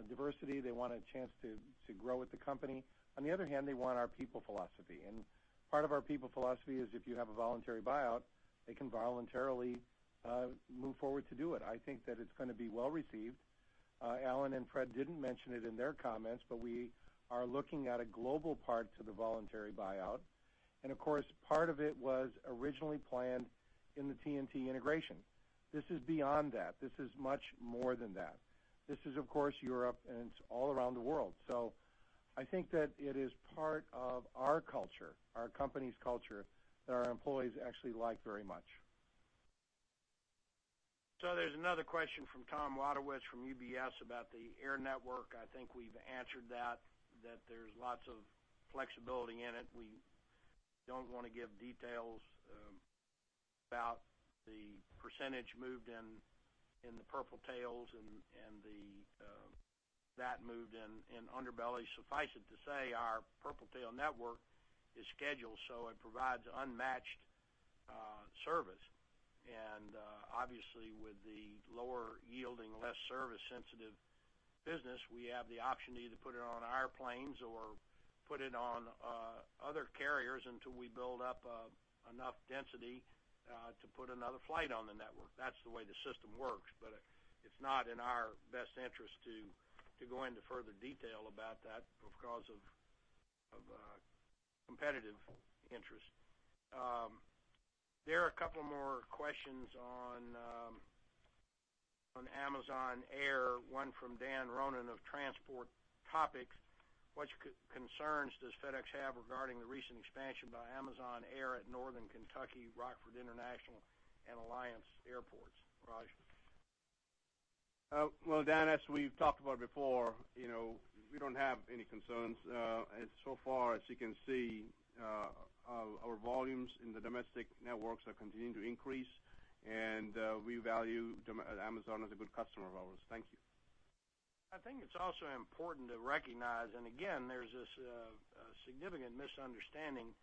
diversity. They want a chance to grow with the company. On the other hand, they want our people philosophy, and part of our people philosophy is if you have a voluntary buyout, they can voluntarily move forward to do it. I think that it's going to be well-received. Alan and Fred didn't mention it in their comments, but we are looking at a global part to the voluntary buyout. Of course, part of it was originally planned in the TNT integration. This is beyond that. This is much more than that. This is, of course, Europe, and it's all around the world. I think that it is part of our culture, our company's culture, that our employees actually like very much. There's another question from Tom Wadewitz from UBS about the Air Network. I think we've answered that there's lots of flexibility in it. We don't want to give details about the percentage moved in the Purple Tails and that moved in underbelly. Suffice it to say, our Purple Tail network is scheduled, so it provides unmatched service. Obviously, with the lower yielding, less service sensitive business, we have the option to either put it on our planes or put it on other carriers until we build up enough density to put another flight on the network. That's the way the system works, but it's not in our best interest to go into further detail about that because of competitive interest. There are a couple more questions on Amazon Air, one from Dan Ronan of Transport Topics. What concerns does FedEx have regarding the recent expansion by Amazon Air at Northern Kentucky, Rockford International, and Alliance Airports? Raj? Well, Dan, as we've talked about before, we don't have any concerns. So far, as you can see, our volumes in the domestic networks are continuing to increase, and we value Amazon as a good customer of ours. Thank you. I think it's also important to recognize, again, there's this significant misunderstanding.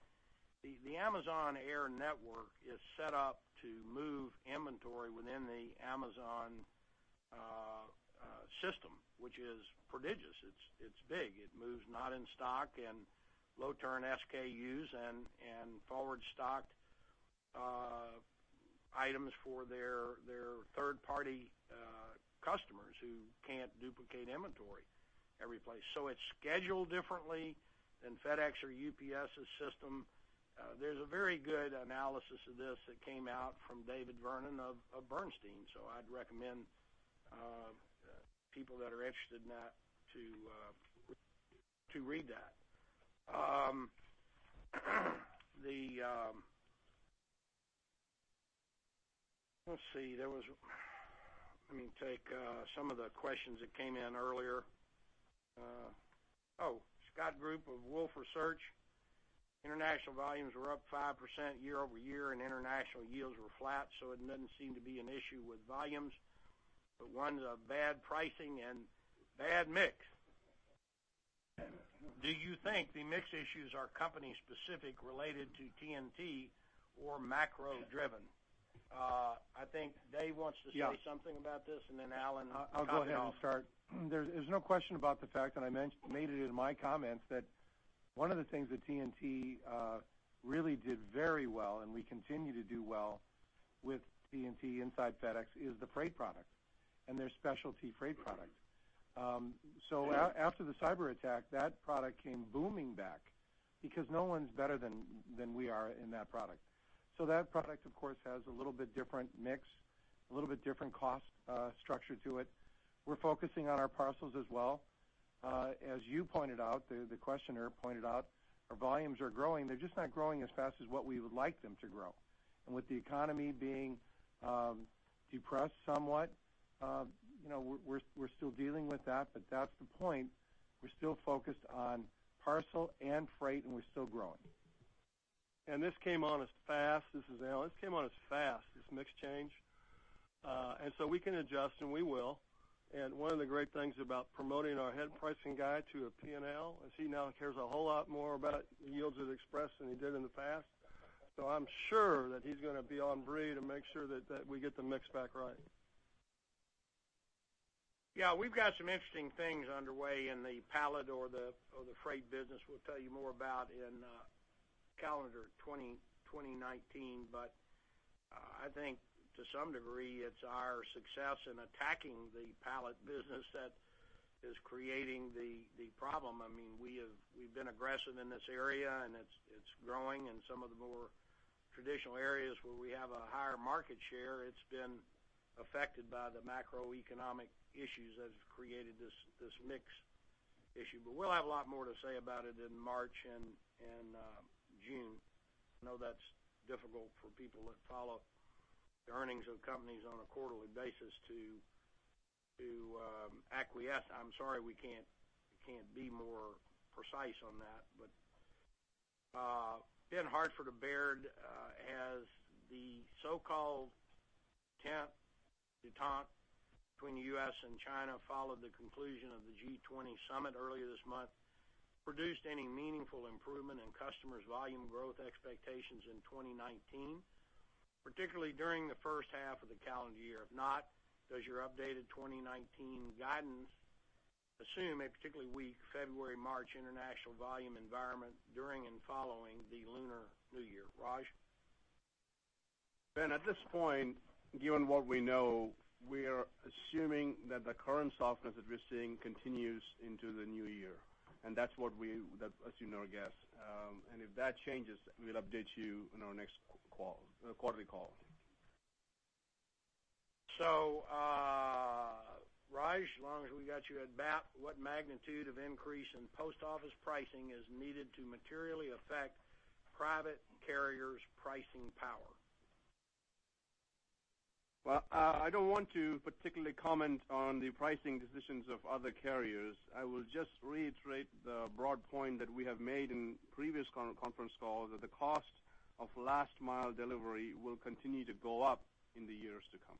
The Amazon Air network is set up to move inventory within the Amazon system, which is prodigious. It's big. It moves not in stock and low turn SKUs and forward stocked items for their third-party customers who can't duplicate inventory every place. It's scheduled differently than FedEx or UPS's system. There's a very good analysis of this that came out from David Vernon of Bernstein. I'd recommend people that are interested in that to read that. Let's see. Let me take some of the questions that came in earlier. Oh, Scott Group of Wolfe Research. International volumes were up 5% year-over-year, and international yields were flat, it doesn't seem to be an issue with volumes. One's a bad pricing and bad mix. Do you think the mix issues are company specific related to TNT or macro driven? I think Dave wants to say something about this, Alan. I'll go ahead and start. There's no question about the fact, I made it in my comments that one of the things that TNT really did very well, and we continue to do well with TNT inside FedEx, is the freight product and their specialty freight product. After the cyberattack, that product came booming back because no one's better than we are in that product. That product, of course, has a little bit different mix, a little bit different cost structure to it. We're focusing on our parcels as well. As you pointed out, the questioner pointed out, our volumes are growing. They're just not growing as fast as what we would like them to grow. With the economy being depressed somewhat, we're still dealing with that's the point. We're still focused on parcel and freight, we're still growing. This came on as fast. This is Alan. It came on as fast, this mix change. We can adjust, and we will. One of the great things about promoting our head pricing guy to a P&L is he now cares a whole lot more about the yields at FedEx Express than he did in the past. I'm sure that he's going to be on Brie to make sure that we get the mix back right. Yeah. We've got some interesting things underway in the pallet or the freight business we'll tell you more about in calendar 2019. I think to some degree, it's our success in attacking the pallet business that is creating the problem. We've been aggressive in this area, and it's growing in some of the more traditional areas where we have a higher market share. It's been affected by the macroeconomic issues that have created this mix issue. We'll have a lot more to say about it in March and June. I know that's difficult for people that follow the earnings of companies on a quarterly basis to acquiesce. I'm sorry we can't be more precise on that. Ben Hartford of Baird. Has the so-called attempt detente between the U.S. and China followed the conclusion of the G20 summit earlier this month, produced any meaningful improvement in customers' volume growth expectations in 2019, particularly during the first half of the calendar year? If not, does your updated 2019 guidance assume a particularly weak February, March international volume environment during and following the Lunar New Year? Raj? Ben, at this point, given what we know, we are assuming that the current softness that we're seeing continues into the new year, and that's what we assume in our guess. If that changes, we'll update you in our next quarterly call. Raj, as long as we got you at bat, what magnitude of increase in post office pricing is needed to materially affect private carriers' pricing power? I don't want to particularly comment on the pricing decisions of other carriers. I will just reiterate the broad point that we have made in previous conference calls that the cost of last mile delivery will continue to go up in the years to come.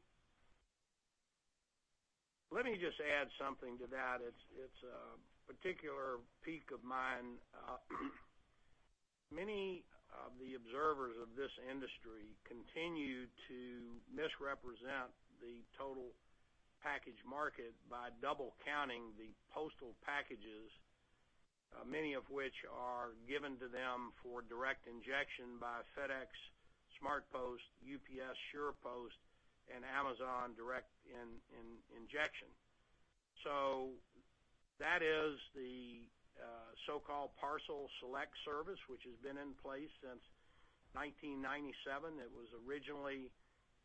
Let me just add something to that. It's a particular pique of mine. Many of the observers of this industry continue to misrepresent the total package market by double counting the postal packages, many of which are given to them for direct injection by FedEx SmartPost, UPS SurePost, and Amazon direct injection. That is the so-called Parcel Select service, which has been in place since 1997. It was originally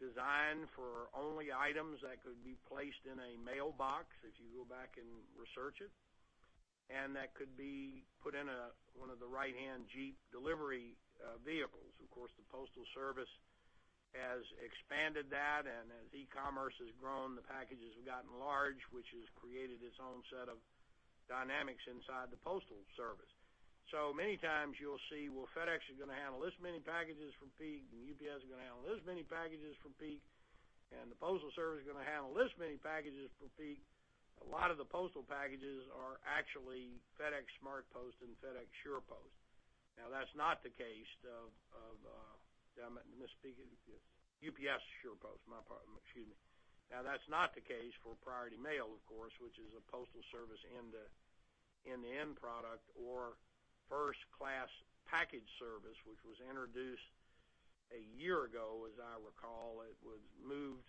designed for only items that could be placed in a mailbox, if you go back and research it, and that could be put in one of the right-hand Jeep delivery vehicles. Of course, the Postal Service has expanded that, and as e-commerce has grown, the packages have gotten large, which has created its own set of dynamics inside the Postal Service. many times you'll see, well, FedEx is going to handle this many packages from peak, and UPS is going to handle this many packages from peak, and the Postal Service is going to handle this many packages from peak. A lot of the postal packages are actually FedEx SmartPost and UPS SurePost. That's not the case of Am I misspeaking? Yes. UPS SurePost. My pardon. Excuse me. That's not the case for Priority Mail, of course, which is a Postal Service end-to-end product or First-Class Package Service, which was introduced a year ago, as I recall. It was moved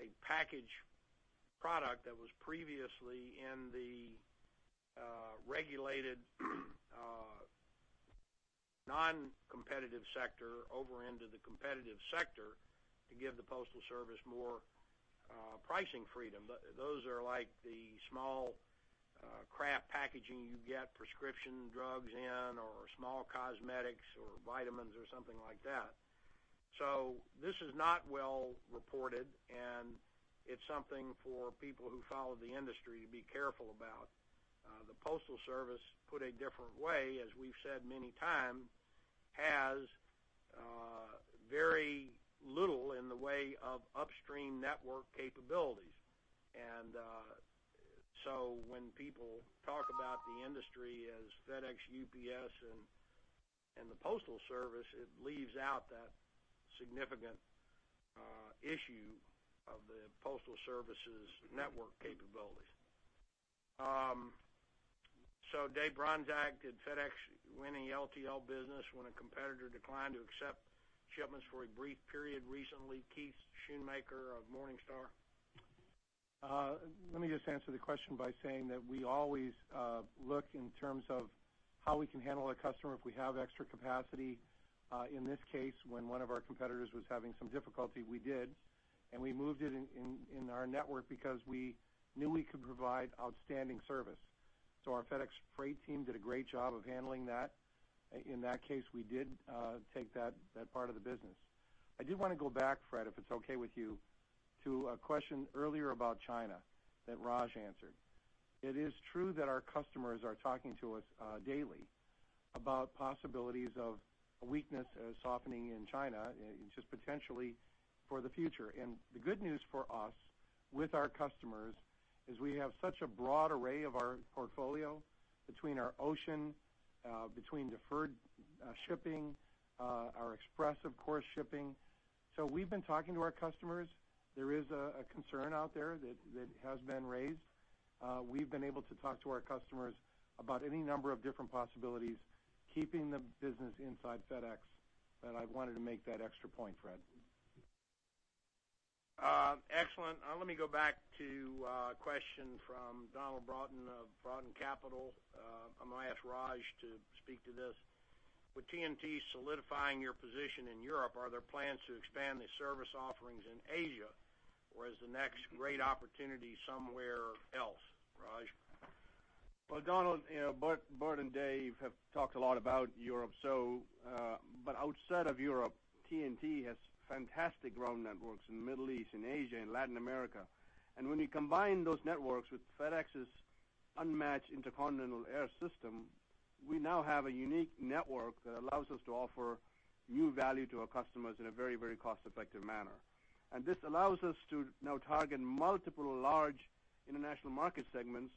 a package product that was previously in the regulated non-competitive sector over into the competitive sector to give the Postal Service more pricing freedom. Those are like the small craft packaging you get prescription drugs in or small cosmetics or vitamins or something like that. This is not well reported, and it's something for people who follow the industry to be careful about. The Postal Service, put a different way, as we've said many times, has very little in the way of upstream network capabilities. When people talk about the industry as FedEx, UPS, and the Postal Service, it leaves out that significant issue of the Postal Service's network capabilities. Dave Bronczek, did FedEx win any LTL business when a competitor declined to accept shipments for a brief period recently? Keith Schoonmaker of Morningstar. Let me just answer the question by saying that we always look in terms of how we can handle a customer if we have extra capacity. In this case, when one of our competitors was having some difficulty, we did, and we moved it in our network because we knew we could provide outstanding service. Our FedEx Freight team did a great job of handling that. In that case, we did take that part of the business. I did want to go back, Fred, if it's okay with you, to a question earlier about China that Raj answered. It is true that our customers are talking to us daily about possibilities of a weakness, a softening in China, just potentially for the future. The good news for us with our customers is we have such a broad array of our portfolio between our ocean, between deferred shipping, our Express, of course, shipping. We've been talking to our customers. There is a concern out there that has been raised. We've been able to talk to our customers about any number of different possibilities, keeping the business inside FedEx, and I wanted to make that extra point, Fred. Excellent. Let me go back to a question from Donald Broughton of Broughton Capital. I might ask Raj to speak to this. With TNT solidifying your position in Europe, are there plans to expand the service offerings in Asia? Or is the next great opportunity somewhere else? Raj? Well, Donald, Bert and Dave have talked a lot about Europe. Outside of Europe, TNT has fantastic road networks in the Middle East, in Asia, and Latin America. When you combine those networks with FedEx's unmatched intercontinental air system, we now have a unique network that allows us to offer new value to our customers in a very cost-effective manner. This allows us to now target multiple large international market segments,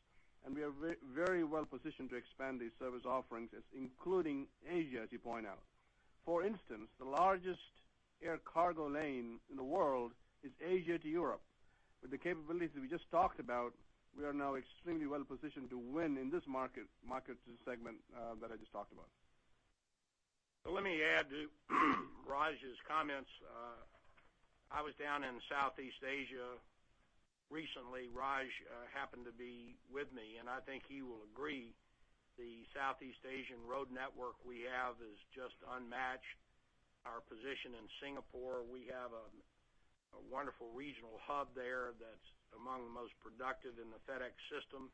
and we are very well positioned to expand these service offerings, including Asia, as you point out. For instance, the largest air cargo lane in the world is Asia to Europe. With the capabilities that we just talked about, we are now extremely well positioned to win in this market segment that I just talked about. Let me add to Raj's comments. I was down in Southeast Asia recently. Raj happened to be with me, and I think he will agree, the Southeast Asian road network we have is just unmatched. Our position in Singapore, we have a wonderful regional hub there that's among the most productive in the FedEx system.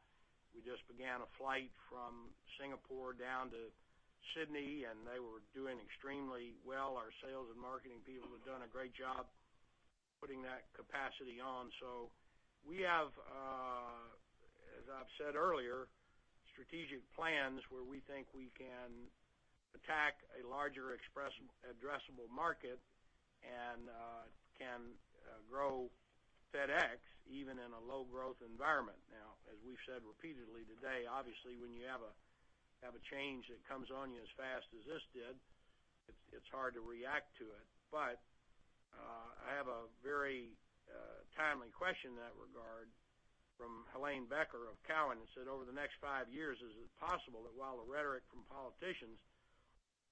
We just began a flight from Singapore down to Sydney, and they were doing extremely well. Our sales and marketing people have done a great job putting that capacity on. We have, as I've said earlier, strategic plans where we think we can attack a larger addressable market and can grow FedEx even in a low growth environment. Now, as we've said repeatedly today, obviously, when you have a change that comes on you as fast as this did, it's hard to react to it. I have a very timely question in that regard from Helaine Becker of Cowen, who said, over the next five years, is it possible that while the rhetoric from politicians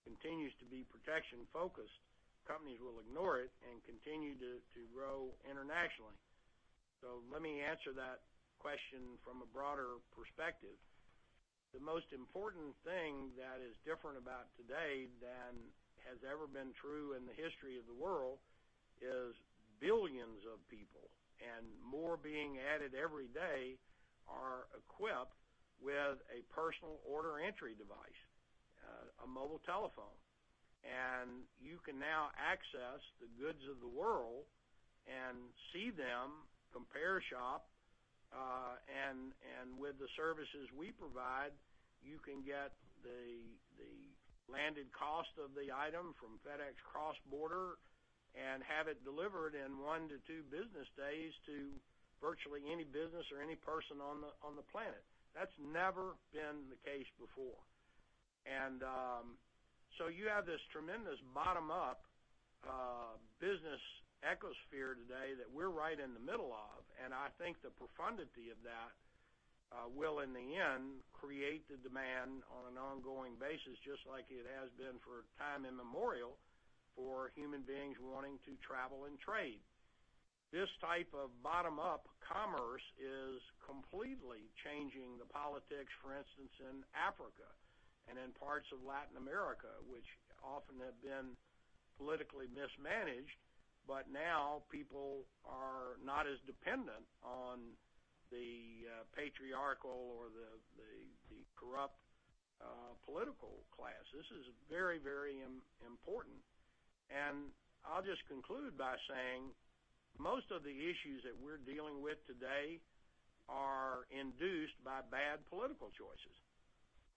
continues to be protection focused, companies will ignore it and continue to grow internationally? Let me answer that question from a broader perspective. The most important thing that is different about today than has ever been true in the history of the world is billions of people, and more being added every day, are equipped with a personal order entry device, a mobile telephone. You can now access the goods of the world and see them, compare shop, and with the services we provide, you can get the landed cost of the item from FedEx CrossBorder and have it delivered in one-two business days to virtually any business or any person on the planet. That's never been the case before. You have this tremendous bottom-up business ecosphere today that we're right in the middle of, and I think the profundity of that will, in the end, create the demand on an ongoing basis, just like it has been for time immemorial for human beings wanting to travel and trade. This type of bottom-up commerce is completely changing the politics, for instance, in Africa and in parts of Latin America, which often have been politically mismanaged, but now people are not as dependent on the patriarchal or the corrupt political class. This is very important. And I'll just conclude by saying most of the issues that we're dealing with today are induced by bad political choices.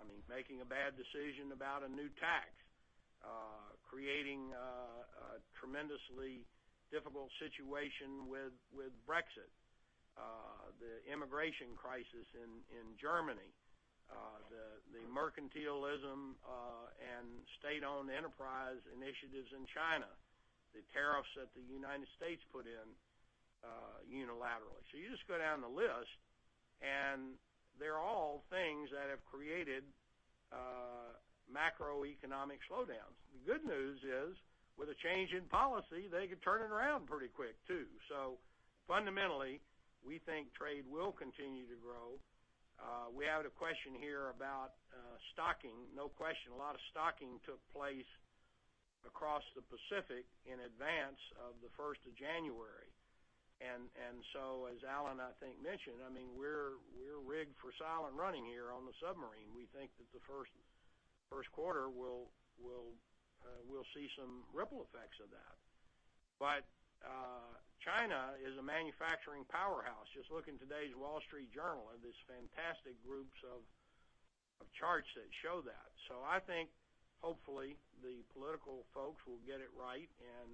I mean, making a bad decision about a new tax. Creating a tremendously difficult situation with Brexit. The immigration crisis in Germany. The mercantilism and state-owned enterprise initiatives in China. The tariffs that the U.S. put in unilaterally. You just go down the list, and they're all things that have created macroeconomic slowdowns. The good news is, with a change in policy, they could turn it around pretty quick, too. Fundamentally, we think trade will continue to grow. We have a question here about stocking. No question, a lot of stocking took place across the Pacific in advance of the 1st of January. As Alan, I think, mentioned, we're rigged for silent running here on the submarine. We think that the first quarter we'll see some ripple effects of that. China is a manufacturing powerhouse. Just look in today's Wall Street Journal at these fantastic groups of charts that show that. I think hopefully the political folks will get it right and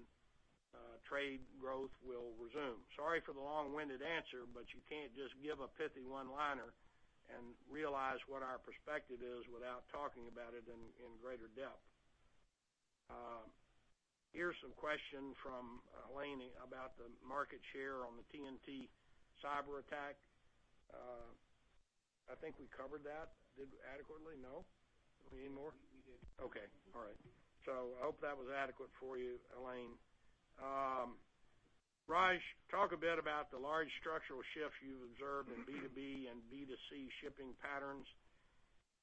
trade growth will resume. Sorry for the long-winded answer, but you can't just give a pithy one-liner and realize what our perspective is without talking about it in greater depth. Here's some question from Elaine about the market share on the TNT cyber attack. I think we covered that adequately. No? Do we need more? We did. Okay. All right. I hope that was adequate for you, Elaine. Raj, talk a bit about the large structural shifts you've observed in B2B and B2C shipping patterns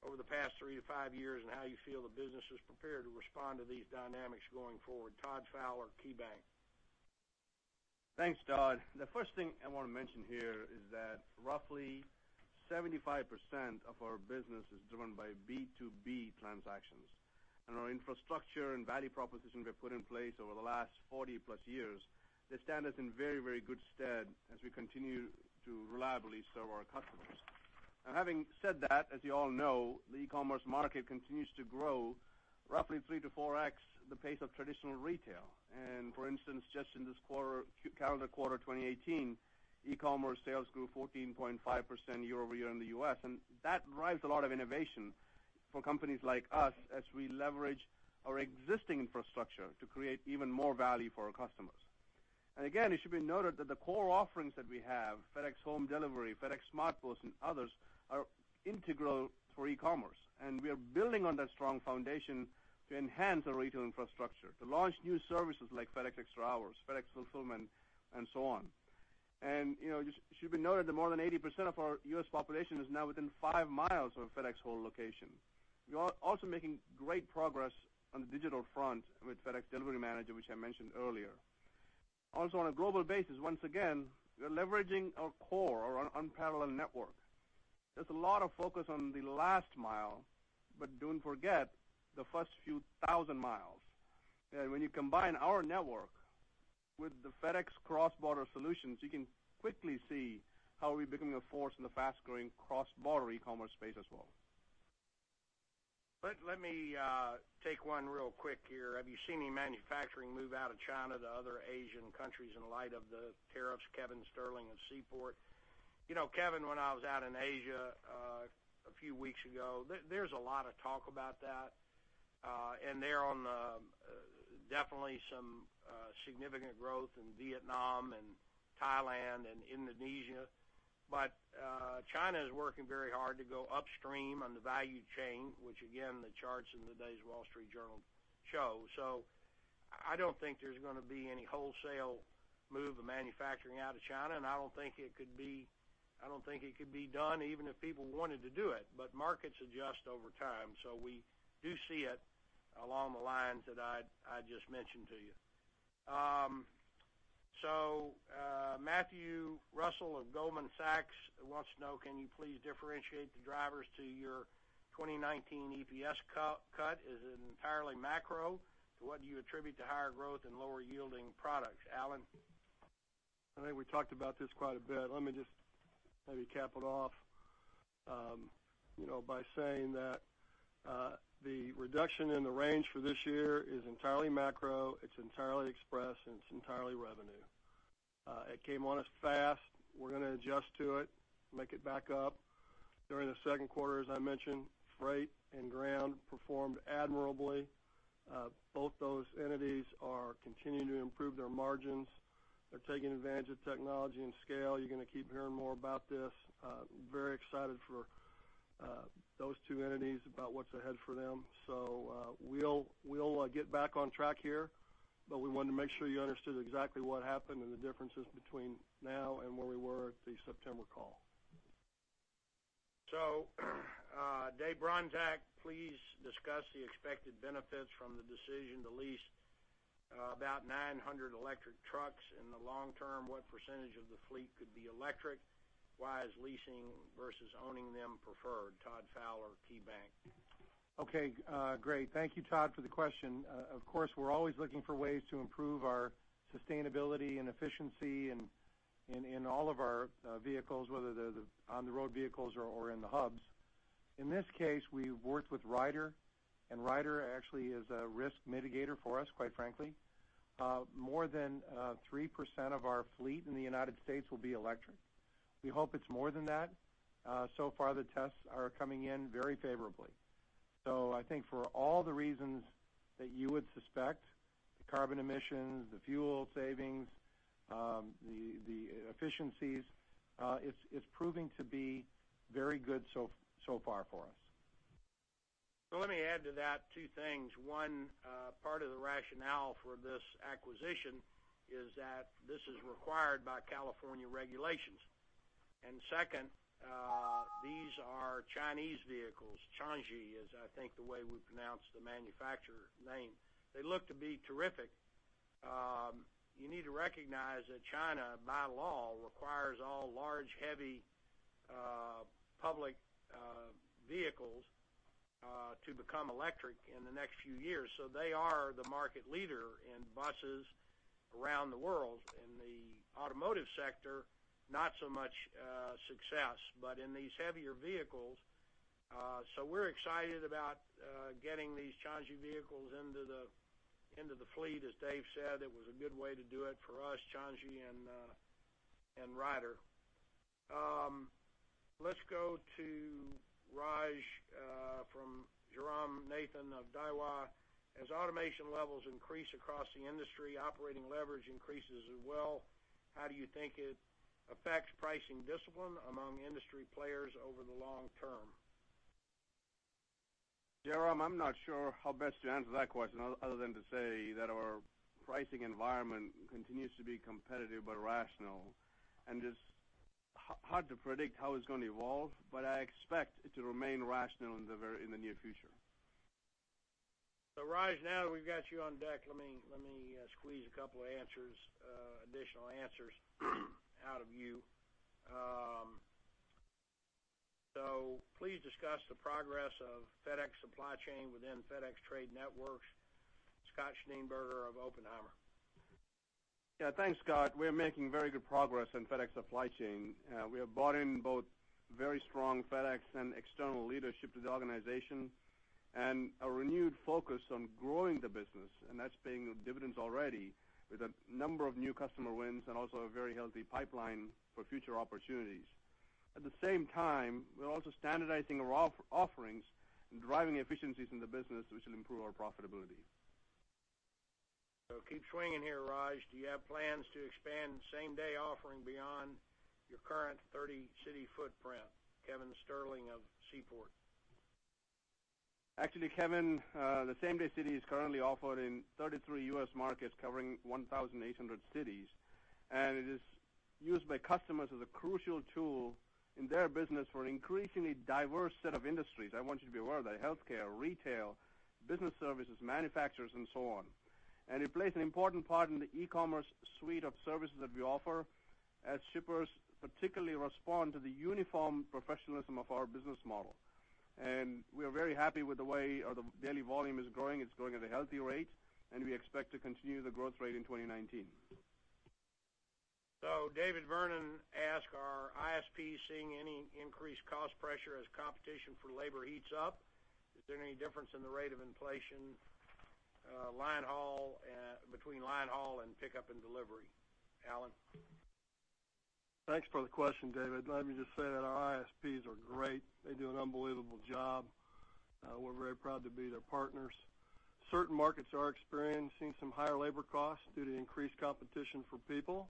over the past three to five years, and how you feel the business is prepared to respond to these dynamics going forward. Todd Fowler, KeyBanc. Thanks, Todd. The first thing I want to mention here is that roughly 75% of our business is driven by B2B transactions. Our infrastructure and value proposition we have put in place over the last 40+ years, they stand us in very good stead as we continue to reliably serve our customers. Now, having said that, as you all know, the e-commerce market continues to grow roughly 3x- 4x the pace of traditional retail. For instance, just in this calendar quarter 2018, e-commerce sales grew 14.5% year-over-year in the U.S. That drives a lot of innovation for companies like us as we leverage our existing infrastructure to create even more value for our customers. Again, it should be noted that the core offerings that we have, FedEx Home Delivery, FedEx SmartPost, and others, are integral for e-commerce. We are building on that strong foundation to enhance our retail infrastructure to launch new services like FedEx Extra Hours, FedEx Fulfillment, and so on. It should be noted that more than 80% of our U.S. population is now within five miles of a FedEx Office location. We are also making great progress on the digital front with FedEx Delivery Manager, which I mentioned earlier. On a global basis, once again, we are leveraging our core, our unparalleled network. There's a lot of focus on the last mile, but don't forget the first few thousand miles. When you combine our network with the FedEx CrossBorder solutions, you can quickly see how we're becoming a force in the fast-growing cross-border e-commerce space as well. Let me take one real quick here. Have you seen any manufacturing move out of China to other Asian countries in light of the tariffs? Kevin Sterling of Seaport. Kevin, when I was out in Asia a few weeks ago, there's a lot of talk about that. There's definitely some significant growth in Vietnam and Thailand and Indonesia. China is working very hard to go upstream on the value chain, which again, the charts in today's Wall Street Journal show. I don't think there's going to be any wholesale move of manufacturing out of China, and I don't think it could be done even if people wanted to do it. Markets adjust over time. We do see it along the lines that I just mentioned to you. Matthew Russell of Goldman Sachs wants to know, can you please differentiate the drivers to your 2019 EPS cut? Is it entirely macro? To what do you attribute the higher growth and lower yielding products? Alan? I think we talked about this quite a bit. The reduction in the range for this year is entirely macro, it's entirely Express, and it's entirely revenue. It came on us fast. We're going to adjust to it, make it back up. During the second quarter, as I mentioned, Freight and Ground performed admirably. Both those entities are continuing to improve their margins. They're taking advantage of technology and scale. You're going to keep hearing more about this. Very excited for those two entities about what's ahead for them. We'll get back on track here, but we wanted to make sure you understood exactly what happened and the differences between now and where we were at the September call. Dave Bronczek, please discuss the expected benefits from the decision to lease about 900 electric trucks. In the long term, what percentage of the fleet could be electric? Why is leasing versus owning them preferred? Todd Fowler, KeyBank. Great. Thank you, Todd, for the question. Of course, we're always looking for ways to improve our sustainability and efficiency in all of our vehicles, whether they're the on-the-road vehicles or in the hubs. In this case, we've worked with Ryder, and Ryder actually is a risk mitigator for us, quite frankly. More than 3% of our fleet in the U.S. will be electric. We hope it's more than that. So far, the tests are coming in very favorably. I think for all the reasons that you would suspect, the carbon emissions, the fuel savings, the efficiencies, it's proving to be very good so far for us. Let me add to that two things. One, part of the rationale for this acquisition is that this is required by California regulations. Second, these are Chinese vehicles. Chanje is, I think, the way we pronounce the manufacturer name. They look to be terrific. You need to recognize that China, by law, requires all large, heavy public vehicles to become electric in the next few years. They are the market leader in buses around the world. In the automotive sector, not so much success, but in these heavier vehicles. We're excited about getting these Chanje vehicles into the fleet. As Dave said, it was a good way to do it for us, Chanje, and Ryder. Let's go to Raj from Jairam Nathan of Daiwa. As automation levels increase across the industry, operating leverage increases as well. How do you think it affects pricing discipline among industry players over the long term? Jairam, I'm not sure how best to answer that question other than to say that our pricing environment continues to be competitive but rational. It's hard to predict how it's going to evolve. I expect it to remain rational in the near future. Raj, now that we've got you on deck, let me squeeze a couple additional answers out of you. Please discuss the progress of FedEx Supply Chain within FedEx Trade Networks. Scott Schneeberger of Oppenheimer. Yeah, thanks, Scott. We're making very good progress in FedEx Supply Chain. We have brought in both very strong FedEx and external leadership to the organization, a renewed focus on growing the business. That's paying dividends already with a number of new customer wins, also a very healthy pipeline for future opportunities. At the same time, we're also standardizing our offerings and driving efficiencies in the business, which will improve our profitability. Keep swinging here, Raj. Do you have plans to expand same-day offering beyond your current 30-city footprint? Kevin Sterling of Seaport. Actually, Kevin, the SameDay City is currently offered in 33 U.S. markets covering 1,800 cities. It is used by customers as a crucial tool in their business for an increasingly diverse set of industries. I want you to be aware of that, healthcare, retail, business services, manufacturers, and so on. It plays an important part in the e-commerce suite of services that we offer as shippers particularly respond to the uniform professionalism of our business model. We are very happy with the way the daily volume is growing. It is growing at a healthy rate, and we expect to continue the growth rate in 2019. David Vernon asks, are ISPs seeing any increased cost pressure as competition for labor heats up? Is there any difference in the rate of inflation between line haul and pickup and delivery, Alan? Thanks for the question, David. Let me just say that our ISPs are great. They do an unbelievable job. We are very proud to be their partners. Certain markets are experiencing some higher labor costs due to increased competition for people.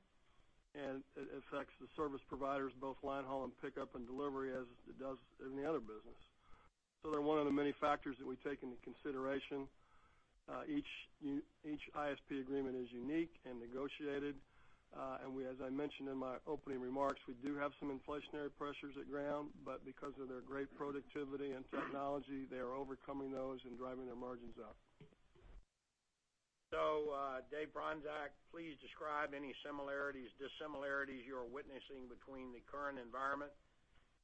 It affects the service providers, both line haul and pickup and delivery, as it does in the other business. They are one of the many factors that we take into consideration. Each ISP agreement is unique and negotiated. As I mentioned in my opening remarks, we do have some inflationary pressures at Ground, because of their great productivity and technology, they are overcoming those and driving their margins up. Dave Bronczek, please describe any similarities, dissimilarities you're witnessing between the current environment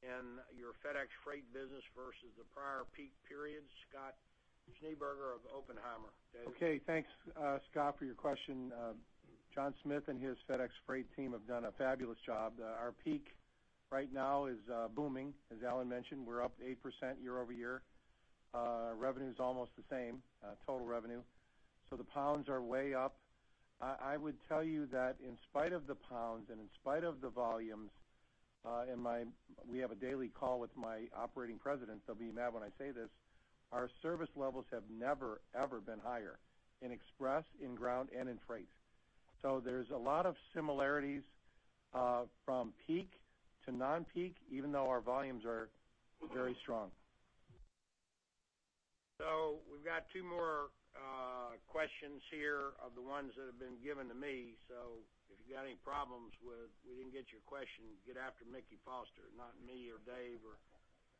and your FedEx Freight business versus the prior peak periods. Scott Schneeberger of Oppenheimer. Dave? Okay. Thanks, Scott, for your question. John Smith and his FedEx Freight team have done a fabulous job. Our peak right now is booming. As Alan mentioned, we're up 8% year-over-year. Revenue's almost the same, total revenue. The pounds are way up. I would tell you that in spite of the pounds and in spite of the volumes, we have a daily call with my operating presidents, they'll be mad when I say this, our service levels have never, ever been higher in Express, in Ground, and in Freight. There's a lot of similarities from peak to non-peak, even though our volumes are very strong. We've got two more questions here of the ones that have been given to me. If you got any problems with we didn't get your question, get after Mickey Foster, not me or Dave or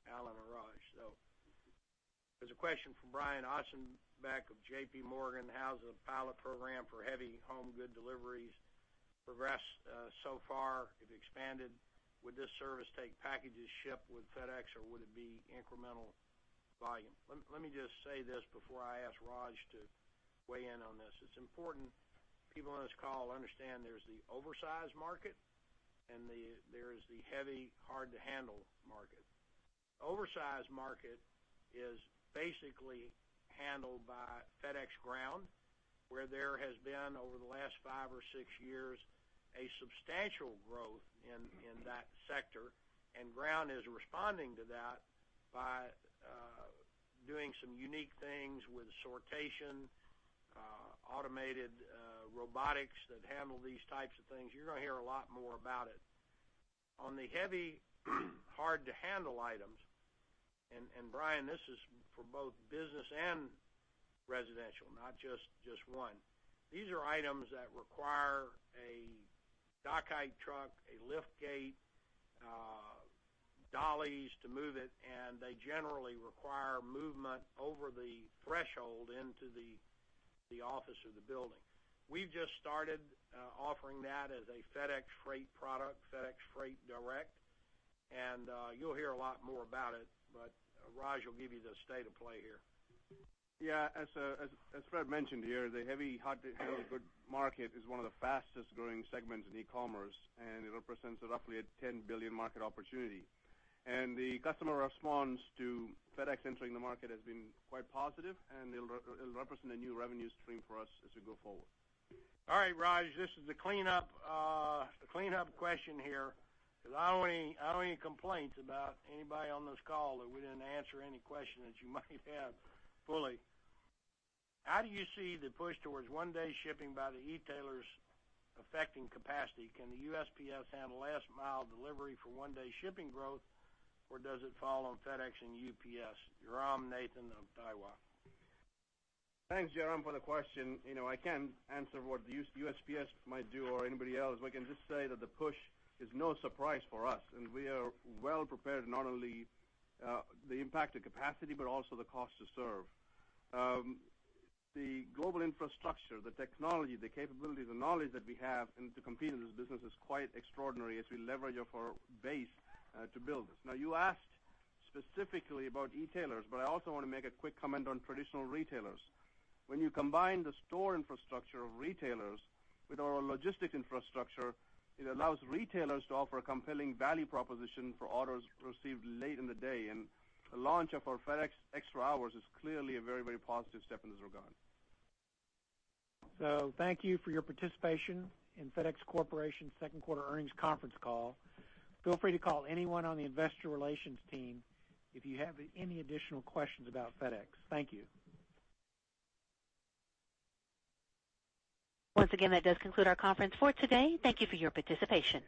Alan or Raj. There's a question from Brian Ossenbeck of JPMorgan. How has the pilot program for heavy home good deliveries progressed so far? It expanded. Would this service take packages shipped with FedEx, or would it be incremental volume. Let me just say this before I ask Raj to weigh in on this. It's important people on this call understand there's the oversized market and there is the heavy, hard-to-handle market. The oversized market is basically handled by FedEx Ground, where there has been, over the last five or six years, a substantial growth in that sector. Ground is responding to that by doing some unique things with sortation, automated robotics that handle these types of things. You're going to hear a lot more about it. On the heavy, hard-to-handle items, and Brian, this is for both business and residential, not just one. These are items that require a dock-height truck, a lift gate, dollies to move it, and they generally require movement over the threshold into the office of the building. We've just started offering that as a FedEx Freight product, FedEx Freight Direct, and you'll hear a lot more about it. Raj will give you the state of play here. Yeah. As Fred mentioned here, the heavy, hard-to-handle good market is one of the fastest-growing segments in e-commerce, and it represents roughly a 10 billion market opportunity. The customer response to FedEx entering the market has been quite positive, and it'll represent a new revenue stream for us as we go forward. All right, Raj, this is the cleanup question here, because I don't want any complaints about anybody on this call that we didn't answer any questions that you might have fully. "How do you see the push towards one-day shipping by the e-tailers affecting capacity? Can the USPS handle last-mile delivery for one-day shipping growth, or does it fall on FedEx and UPS?" Jairam Nathan of Daiwa. Thanks, Jairam, for the question. I can't answer what the USPS might do or anybody else. We can just say that the push is no surprise for us, and we are well prepared, not only the impact to capacity, but also the cost to serve. The global infrastructure, the technology, the capabilities, the knowledge that we have, and to compete in this business is quite extraordinary as we leverage off our base to build this. You asked specifically about e-tailers, I also want to make a quick comment on traditional retailers. When you combine the store infrastructure of retailers with our logistics infrastructure, it allows retailers to offer a compelling value proposition for orders received late in the day. The launch of our FedEx Extra Hours is clearly a very positive step in this regard. Thank you for your participation in FedEx Corporation's second quarter earnings conference call. Feel free to call anyone on the investor relations team if you have any additional questions about FedEx. Thank you. Once again, that does conclude our conference for today. Thank you for your participation.